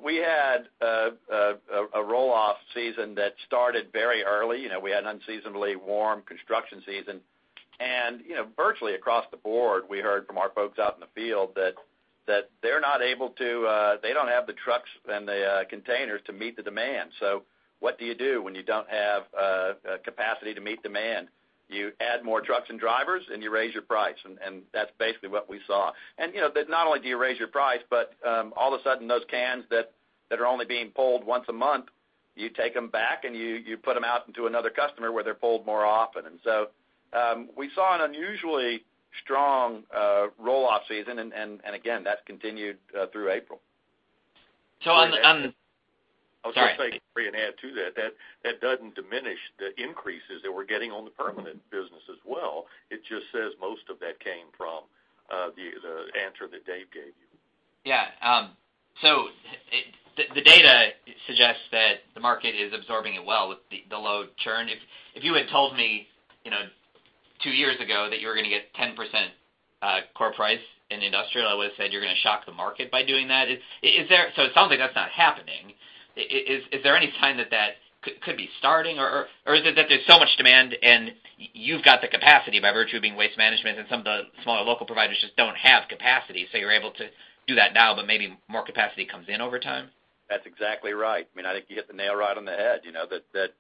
We had a roll-off season that started very early. We had an unseasonably warm construction season. Virtually across the board, we heard from our folks out in the field that they don't have the trucks and the containers to meet the demand. What do you do when you don't have capacity to meet demand? You add more trucks and drivers, and you raise your price. That's basically what we saw. Not only do you raise your price, but all of a sudden, those cans that are only being pulled once a month, you take them back and you put them out into another customer where they're pulled more often. We saw an unusually strong roll-off season, and again, that's continued through April. So on- I was going to say, Corey, add to that doesn't diminish the increases that we're getting on the permanent business as well. It just says most of that came from the answer that Dave gave you. The data suggests that the market is absorbing it well with the low churn. If you had told me two years ago that you were going to get 10% core price in industrial, I would've said you're going to shock the market by doing that. It sounds like that's not happening. Is there any sign that that could be starting, or is it that there's so much demand and you've got the capacity by virtue of being Waste Management and some of the smaller local providers just don't have capacity, so you're able to do that now, but maybe more capacity comes in over time? That's exactly right. I think you hit the nail right on the head, that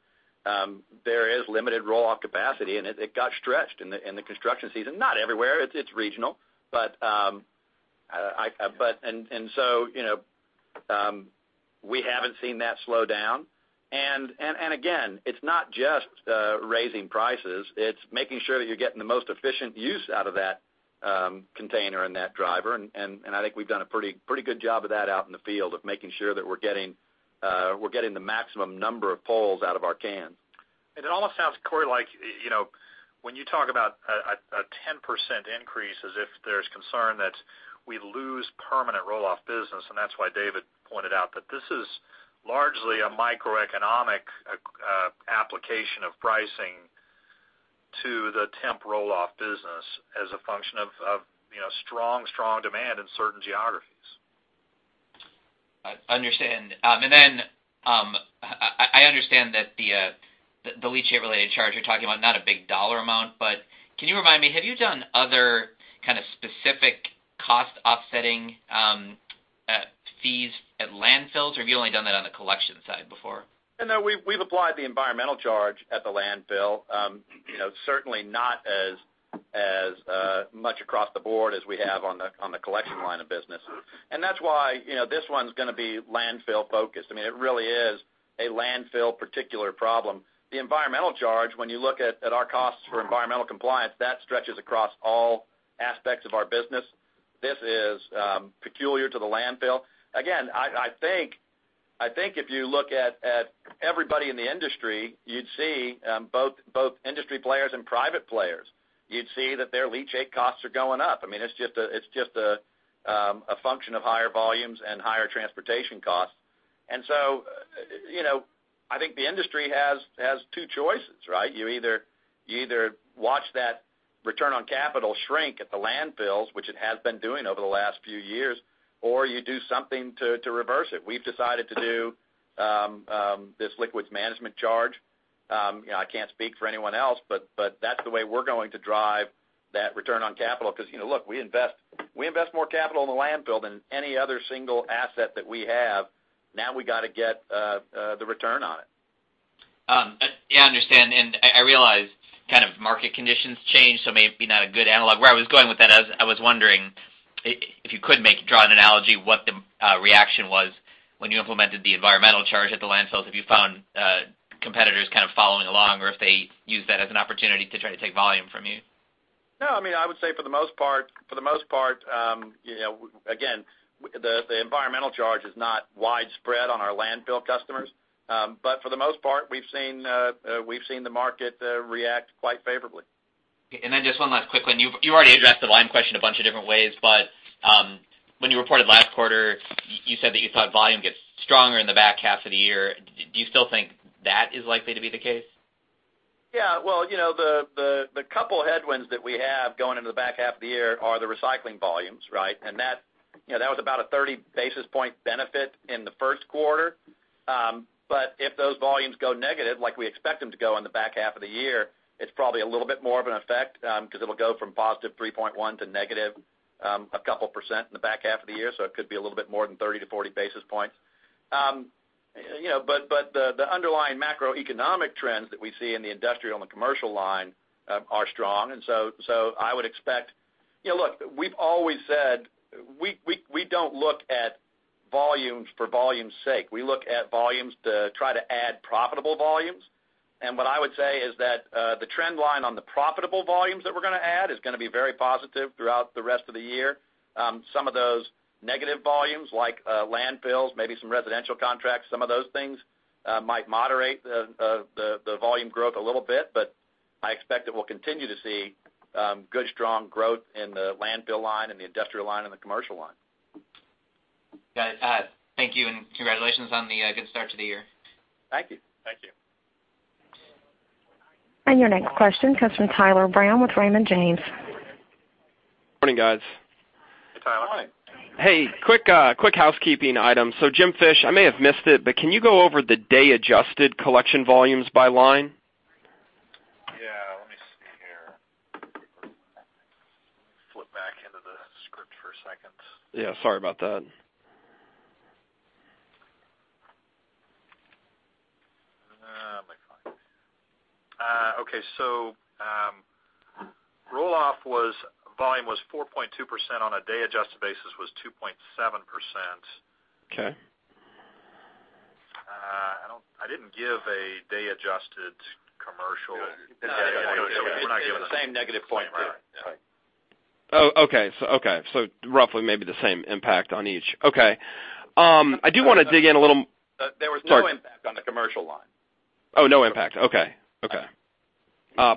there is limited roll-off capacity, and it got stretched in the construction season. Not everywhere. It's regional. We haven't seen that slow down. Again, it's not just raising prices, it's making sure that you're getting the most efficient use out of that container and that driver, and I think we've done a pretty good job of that out in the field of making sure that we're getting the maximum number of pulls out of our cans. It almost sounds, Corey, like when you talk about a 10% increase, as if there's concern that we lose permanent roll-off business, and that's why David pointed out that this is largely a microeconomic application of pricing to the temp roll-off business as a function of strong demand in certain geographies. I understand. I understand that the leachate-related charge you're talking about, not a big dollar amount, but can you remind me, have you done other kind of specific cost-offsetting fees at landfills, or have you only done that on the collection side before? No, we've applied the environmental charge at the landfill. Certainly not as much across the board as we have on the collection line of business. That's why this one's going to be landfill-focused. It really is a landfill particular problem. The environmental charge, when you look at our costs for environmental compliance, that stretches across all aspects of our business. This is peculiar to the landfill. Again, I think if you look at everybody in the industry, you'd see both industry players and private players. You'd see that their leachate costs are going up. It's just a function of higher volumes and higher transportation costs. I think the industry has two choices, right? You either watch that return on capital shrink at the landfills, which it has been doing over the last few years, or you do something to reverse it. We've decided to do this liquids management charge. I can't speak for anyone else, but that's the way we're going to drive that return on capital because look, we invest more capital in the landfill than any other single asset that we have. Now we got to get the return on it. Yeah, I understand, I realize market conditions change, it may be not a good analog. Where I was going with that is I was wondering if you could draw an analogy what the reaction was when you implemented the environmental charge at the landfills. Have you found competitors kind of following along, or if they used that as an opportunity to try to take volume from you? No, I would say for the most part, again, the environmental charge is not widespread on our landfill customers. For the most part, we've seen the market react quite favorably. Just one last quick one. You've already addressed the volume question a bunch of different ways, but when you reported last quarter, you said that you thought volume gets stronger in the back half of the year. Do you still think that is likely to be the case? The couple headwinds that we have going into the back half of the year are the recycling volumes, right? That was about a 30 basis point benefit in the first quarter. If those volumes go negative, like we expect them to go in the back half of the year, it's probably a little bit more of an effect, because it'll go from positive 3.1 to negative a couple percent in the back half of the year, it could be a little bit more than 30 to 40 basis points. The underlying macroeconomic trends that we see in the industrial and the commercial line are strong. I would expect Look, we've always said we don't look at volumes for volumes' sake. We look at volumes to try to add profitable volumes. What I would say is that the trend line on the profitable volumes that we're going to add is going to be very positive throughout the rest of the year. Some of those negative volumes, like landfills, maybe some residential contracts, some of those things might moderate the volume growth a little bit, but I expect that we'll continue to see good, strong growth in the landfill line and the industrial line and the commercial line. Got it. Thank you, congratulations on the good start to the year. Thank you. Thank you. Your next question comes from Tyler Brown with Raymond James. Morning, guys. Good morning. Hey, quick housekeeping item. Jim Fish, I may have missed it, but can you go over the day-adjusted collection volumes by line? Yeah. Let me see here. Flip back into the script for a second. Yeah, sorry about that. Let me find it. Okay. Roll-off volume was 4.2%, on a day-adjusted basis was 2.7%. Okay. I didn't give a day-adjusted commercial. No. We're not giving it. It's the same negative point there. Sorry. Oh, okay. Roughly maybe the same impact on each. Okay. I do want to dig in a little- There was no impact on the commercial line. Oh, no impact. Okay.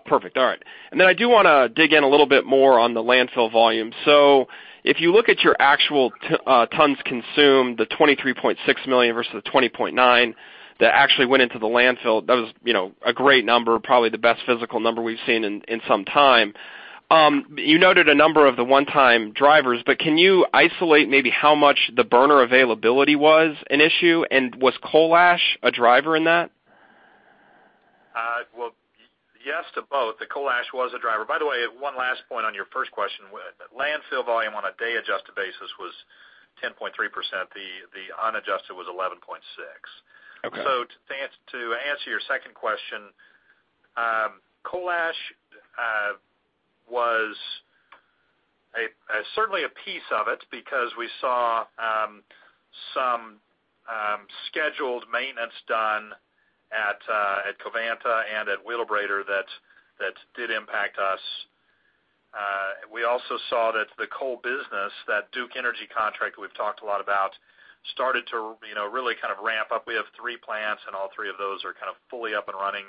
Perfect. All right. I do want to dig in a little bit more on the landfill volume. If you look at your actual tons consumed, the 23.6 million versus the 20.9 that actually went into the landfill, that was a great number, probably the best physical number we've seen in some time. You noted a number of the one-time drivers, can you isolate maybe how much the burner availability was an issue, and was coal ash a driver in that? Well, yes to both. The coal ash was a driver. By the way, one last point on your first question. Landfill volume on a day-adjusted basis was 10.3%. The unadjusted was 11.6%. Okay. To answer your second question, coal ash was certainly a piece of it because we saw some scheduled maintenance done at Covanta and at Wheelabrator that did impact us. We also saw that the coal business, that Duke Energy contract we've talked a lot about, started to really kind of ramp up. We have three plants, and all three of those are kind of fully up and running,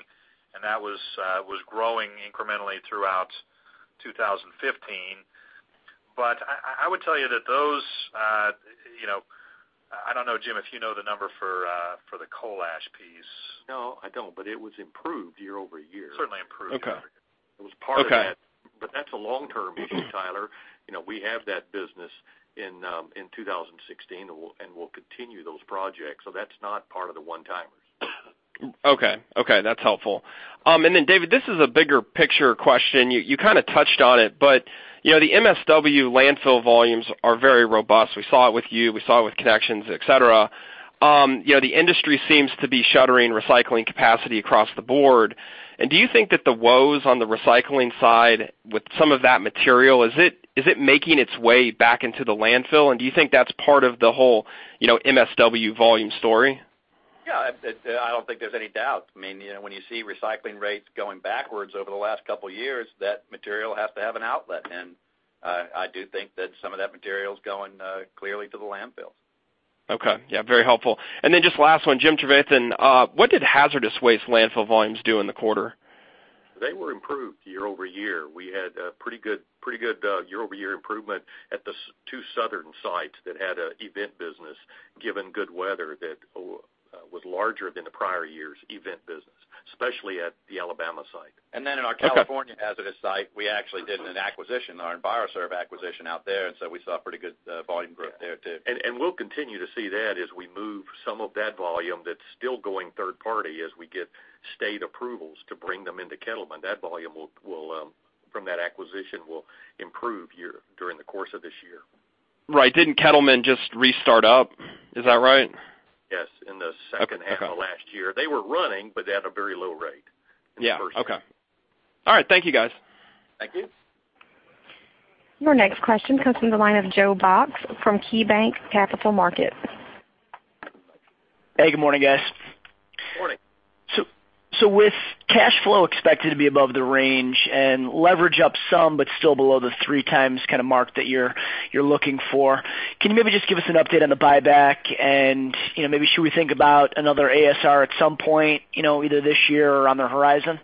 and that was growing incrementally throughout 2015. I would tell you that those I don't know, Jim, if you know the number for the coal ash piece. No, I don't, but it was improved year-over-year. Certainly improved year-over-year. Okay. It was part of that, but that's a long-term issue, Tyler. We have that business in 2016, and we'll continue those projects, so that's not part of the one-timers. Okay. That's helpful. David, this is a bigger picture question. You kind of touched on it, the MSW landfill volumes are very robust. We saw it with you, we saw it with Connections, et cetera. The industry seems to be shuttering recycling capacity across the board. Do you think that the woes on the recycling side with some of that material, is it making its way back into the landfill? Do you think that's part of the whole MSW volume story? Yeah. I don't think there's any doubt. When you see recycling rates going backwards over the last couple of years, that material has to have an outlet, I do think that some of that material is going clearly to the landfills. Okay. Yeah, very helpful. Just last one, James Trevathan, what did hazardous waste landfill volumes do in the quarter? They were improved year-over-year. We had a pretty good year-over-year improvement at the two southern sites that had an event business, given good weather that was larger than the prior year's event business, especially at the Alabama site. In our California hazardous site, we actually did an acquisition, our EnviroServ acquisition out there, and so we saw pretty good volume growth there, too. We'll continue to see that as we move some of that volume that's still going third party as we get state approvals to bring them into Kettleman. That volume from that acquisition will improve during the course of this year. Right. Didn't Kettleman just restart up? Is that right? Yes, in the second half of last year. They were running, but they had a very low rate in the first half. Yeah. Okay. All right. Thank you, guys. Thank you. Your next question comes from the line of Joe Box from KeyBanc Capital Markets. Hey, good morning, guys. Morning. With cash flow expected to be above the range and leverage up some but still below the 3 times kind of mark that you're looking for, can you maybe just give us an update on the buyback and maybe should we think about another ASR at some point, either this year or on the horizon?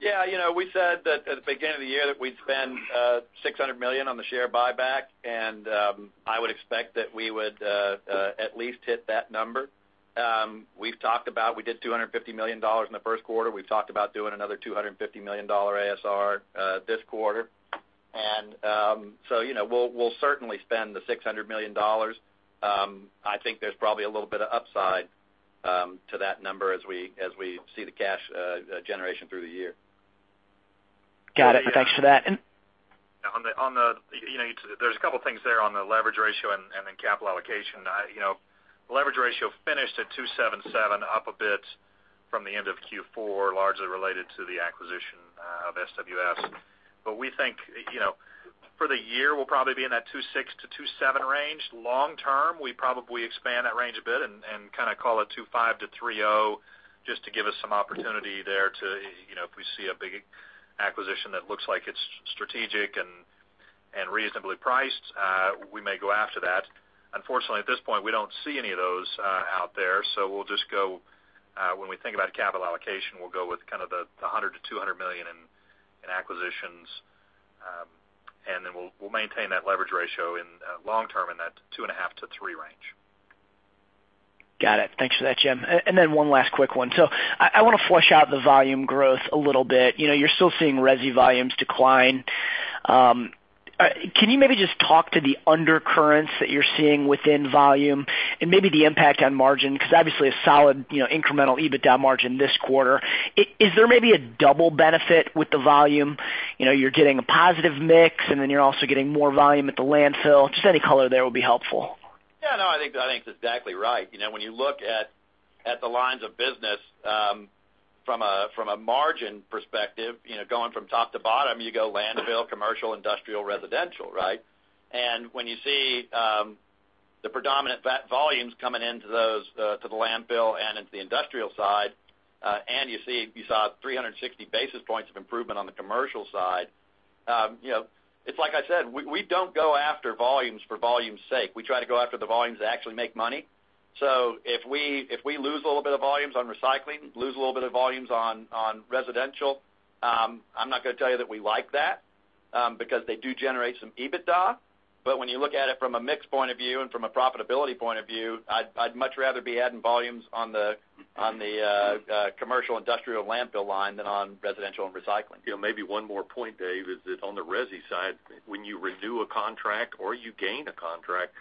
Yeah. We said that at the beginning of the year that we'd spend $600 million on the share buyback, and I would expect that we would at least hit that number. We did $250 million in the first quarter. We've talked about doing another $250 million ASR this quarter. We'll certainly spend the $600 million. I think there's probably a little bit of upside to that number as we see the cash generation through the year. Got it. Thanks for that. There's a couple things there on the leverage ratio and then capital allocation. Leverage ratio finished at 2.77, up a bit from the end of Q4, largely related to the acquisition of SWS. We think for the year, we'll probably be in that 2.6-2.7 range. Long term, we probably expand that range a bit and kind of call it 2.5-3.0, just to give us some opportunity there to, if we see a big acquisition that looks like it's strategic and reasonably priced, we may go after that. Unfortunately, at this point, we don't see any of those out there, so when we think about capital allocation, we'll go with kind of the $100 million-$200 million in acquisitions, and then we'll maintain that leverage ratio long term in that 2.5-3 range. Got it. Thanks for that, Jim. One last quick one. I want to flush out the volume growth a little bit. You're still seeing resi volumes decline. Can you maybe just talk to the undercurrents that you're seeing within volume and maybe the impact on margin? Obviously a solid, incremental EBITDA margin this quarter. Is there maybe a double benefit with the volume? You're getting a positive mix and then you're also getting more volume at the landfill. Just any color there would be helpful. Yeah, no, I think that's exactly right. When you look at the lines of business from a margin perspective, going from top to bottom, you go landfill, commercial, industrial, residential, right? When you see the predominant volumes coming into the landfill and into the industrial side, you saw 360 basis points of improvement on the commercial side. It's like I said, we don't go after volumes for volume's sake. We try to go after the volumes that actually make money. If we lose a little bit of volumes on recycling, lose a little bit of volumes on residential, I'm not going to tell you that we like that, because they do generate some EBITDA. When you look at it from a mix point of view and from a profitability point of view, I'd much rather be adding volumes on the commercial industrial landfill line than on residential and recycling. Maybe one more point, Dave, is that on the resi side, when you renew a contract or you gain a contract,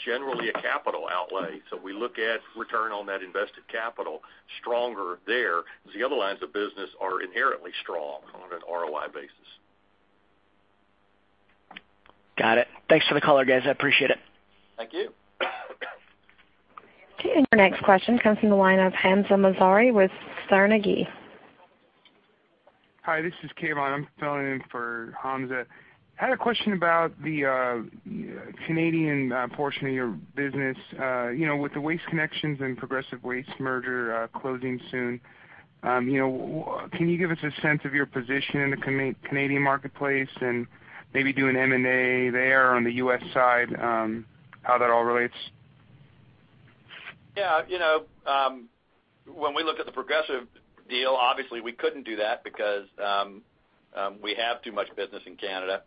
it's generally a capital outlay. We look at return on that invested capital stronger there, because the other lines of business are inherently strong on an ROI basis. Got it. Thanks for the color, guys. I appreciate it. Thank you. Your next question comes from the line of Hamza Mazari with Bernstein. Hi, this is Kavon. I'm filling in for Hamza. Had a question about the Canadian portion of your business. With the Waste Connections and Progressive Waste merger closing soon, can you give us a sense of your position in the Canadian marketplace and maybe doing M&A there on the U.S. side, how that all relates? Yeah. When we look at the Progressive deal, obviously we couldn't do that because we have too much business in Canada.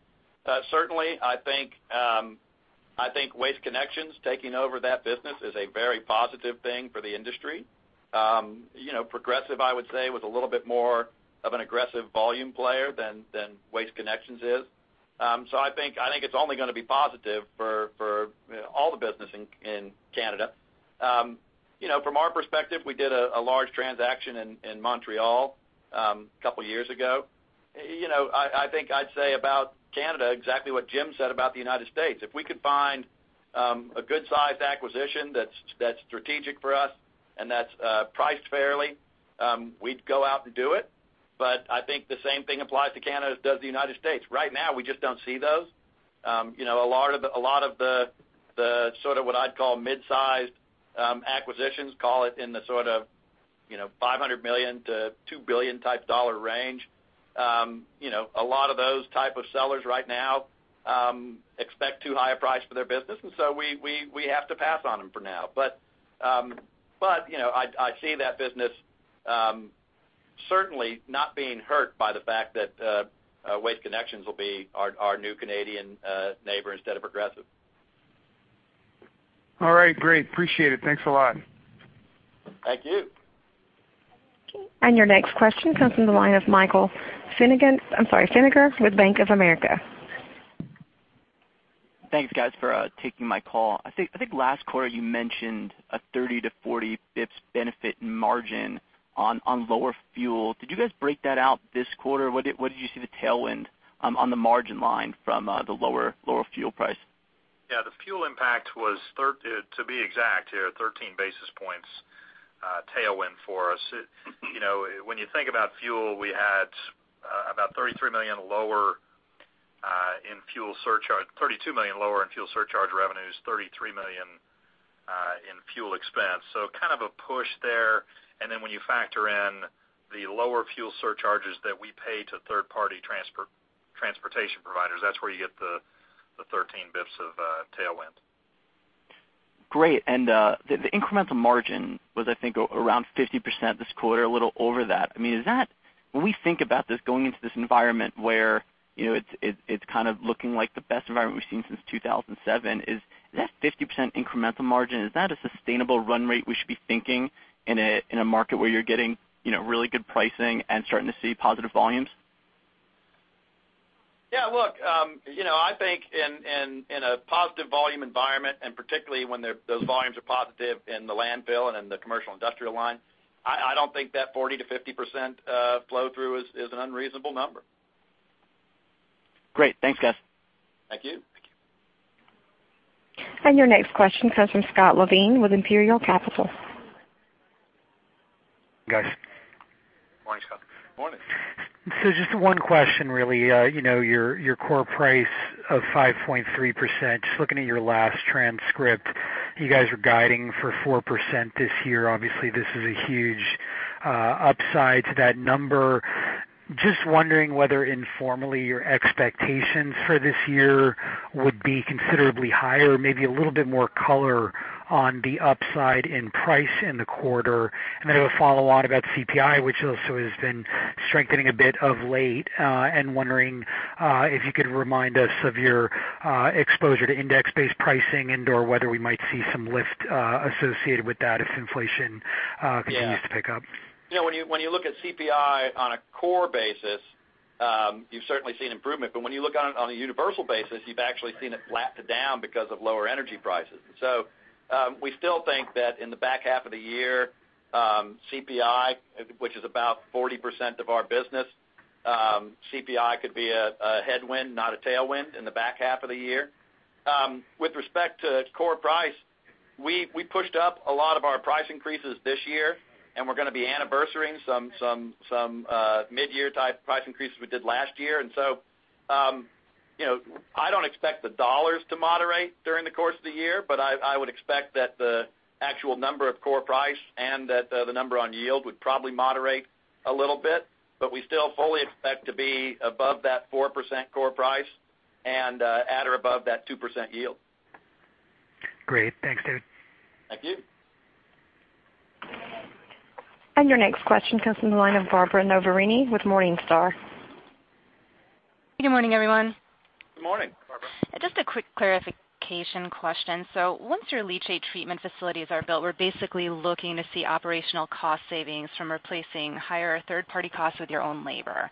Certainly, I think Waste Connections taking over that business is a very positive thing for the industry. Progressive, I would say, was a little bit more of an aggressive volume player than Waste Connections is. I think it's only going to be positive for all the business in Canada. From our perspective, we did a large transaction in Montreal a couple of years ago. I think I'd say about Canada exactly what Jim said about the U.S. If we could find a good-sized acquisition that's strategic for us and that's priced fairly, we'd go out and do it. I think the same thing applies to Canada as does the U.S. Right now, we just don't see those. A lot of the sort of what I'd call mid-sized acquisitions, call it in the sort of $500 million-$2 billion type dollar range. A lot of those type of sellers right now expect too high a price for their business, we have to pass on them for now. I see that business certainly not being hurt by the fact that Waste Connections will be our new Canadian neighbor instead of Progressive. All right, great. Appreciate it. Thanks a lot. Thank you. Your next question comes from the line of Michael Feniger with Bank of America. Thanks, guys, for taking my call. I think last quarter you mentioned a 30-40 basis points benefit in margin on lower fuel. Did you guys break that out this quarter? What did you see the tailwind on the margin line from the lower fuel price? Yeah, the fuel impact was, to be exact here, 13 basis points tailwind for us. When you think about fuel, we had about $32 million lower in fuel surcharge revenues, $33 million in fuel expense. Kind of a push there, then when you factor in the lower fuel surcharges that we pay to third-party transportation providers, that's where you get the 13 basis points of tailwind. Great. The incremental margin was, I think, around 50% this quarter, a little over that. When we think about this going into this environment where it's kind of looking like the best environment we've seen since 2007, is that 50% incremental margin, is that a sustainable run rate we should be thinking in a market where you're getting really good pricing and starting to see positive volumes? Yeah, look, I think in a positive volume environment, and particularly when those volumes are positive in the landfill and in the commercial industrial line, I don't think that 40%-50% flow through is an unreasonable number. Great. Thanks, guys. Thank you. Thank you. Your next question comes from Scott Levine with Imperial Capital. Guys. Morning, Scott. Morning. Just one question, really. Your core price of 5.3%, just looking at your last transcript, you guys are guiding for 4% this year. Obviously, this is a huge upside to that number. Just wondering whether informally your expectations for this year would be considerably higher, maybe a little bit more color on the upside in price in the quarter. Then a follow on about CPI, which also has been strengthening a bit of late, and wondering if you could remind us of your exposure to index-based pricing and/or whether we might see some lift associated with that as inflation continues to pick up. When you look at CPI on a core basis you've certainly seen improvement, but when you look on a universal basis, you've actually seen it flat to down because of lower energy prices. We still think that in the back half of the year, CPI, which is about 40% of our business, CPI could be a headwind, not a tailwind in the back half of the year. With respect to core price, we pushed up a lot of our price increases this year, and we're going to be anniversarying some mid-year type price increases we did last year. I don't expect the dollars to moderate during the course of the year, but I would expect that the actual number of core price and that the number on yield would probably moderate a little bit. We still fully expect to be above that 4% core price and at or above that 2% yield. Great. Thanks, David. Thank you. Your next question comes from the line of Barbara Noverini with Morningstar. Good morning, everyone. Good morning, Barbara. Just a quick clarification question. Once your leachate treatment facilities are built, we're basically looking to see operational cost savings from replacing higher third-party costs with your own labor.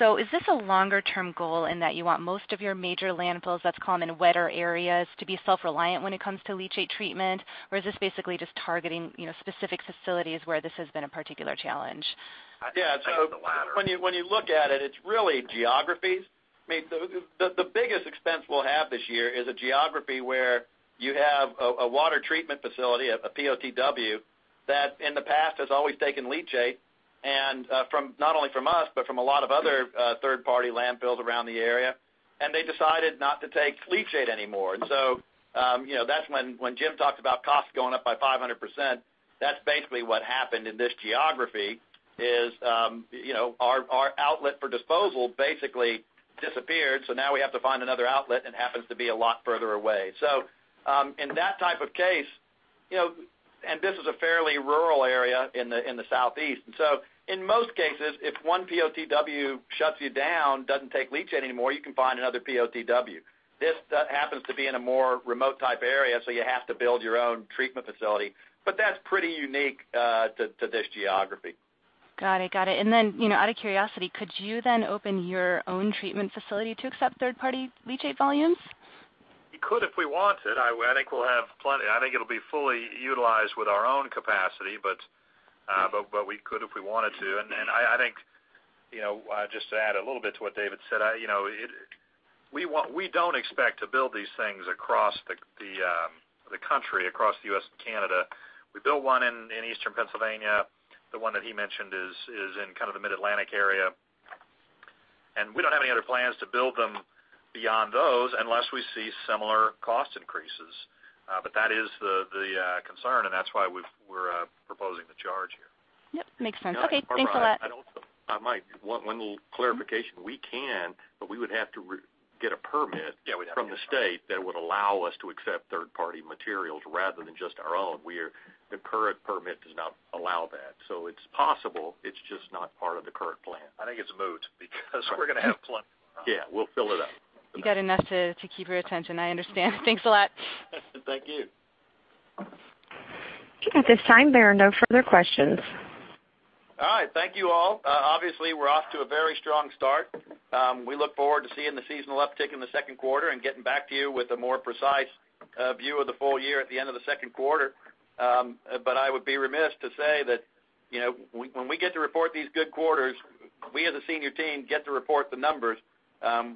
Is this a longer-term goal in that you want most of your major landfills that's common in wetter areas to be self-reliant when it comes to leachate treatment? Or is this basically just targeting specific facilities where this has been a particular challenge? Yeah. I think it's the latter. When you look at it's really geographies. The biggest expense we'll have this year is a geography where you have a water treatment facility, a POTW, that in the past has always taken leachate, not only from us, but from a lot of other third-party landfills around the area, and they decided not to take leachate anymore. That's when Jim talked about costs going up by 500%, that's basically what happened in this geography, is our outlet for disposal basically disappeared. Now we have to find another outlet and happens to be a lot further away. In that type of case, and this is a fairly rural area in the Southeast. In most cases, if one POTW shuts you down, doesn't take leachate anymore, you can find another POTW. This happens to be in a more remote type area, so you have to build your own treatment facility. That's pretty unique to this geography. Got it. Out of curiosity, could you then open your own treatment facility to accept third-party leachate volumes? We could, if we wanted. I think it'll be fully utilized with our own capacity, but we could if we wanted to. I think, just to add a little bit to what David said, we don't expect to build these things across the country, across the U.S. and Canada. We built one in Eastern Pennsylvania. The one that he mentioned is in the Mid-Atlantic area. We don't have any other plans to build them beyond those unless we see similar cost increases. That is the concern, and that's why we're proposing the charge here. Yep, makes sense. Okay, thanks a lot. Barbara, one little clarification. We can, but we would have to get a permit- Yeah, we'd have to get a permit from the state that would allow us to accept third-party materials rather than just our own. The current permit does not allow that. It's possible, it's just not part of the current plan. I think it's moot because we're going to have plenty. Yeah, we'll fill it up. You got enough to keep your attention, I understand. Thanks a lot. Thank you. At this time, there are no further questions. All right. Thank you all. Obviously, we're off to a very strong start. We look forward to seeing the seasonal uptick in the second quarter and getting back to you with a more precise view of the full year at the end of the second quarter. I would be remiss to say that when we get to report these good quarters, we as a senior team get to report the numbers.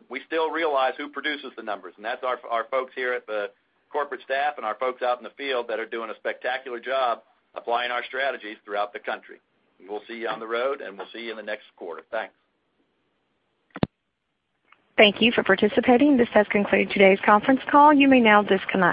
We still realize who produces the numbers, and that's our folks here at the corporate staff and our folks out in the field that are doing a spectacular job applying our strategies throughout the country. We will see you on the road, and we'll see you in the next quarter. Thanks. Thank you for participating. This has concluded today's conference call. You may now disconnect.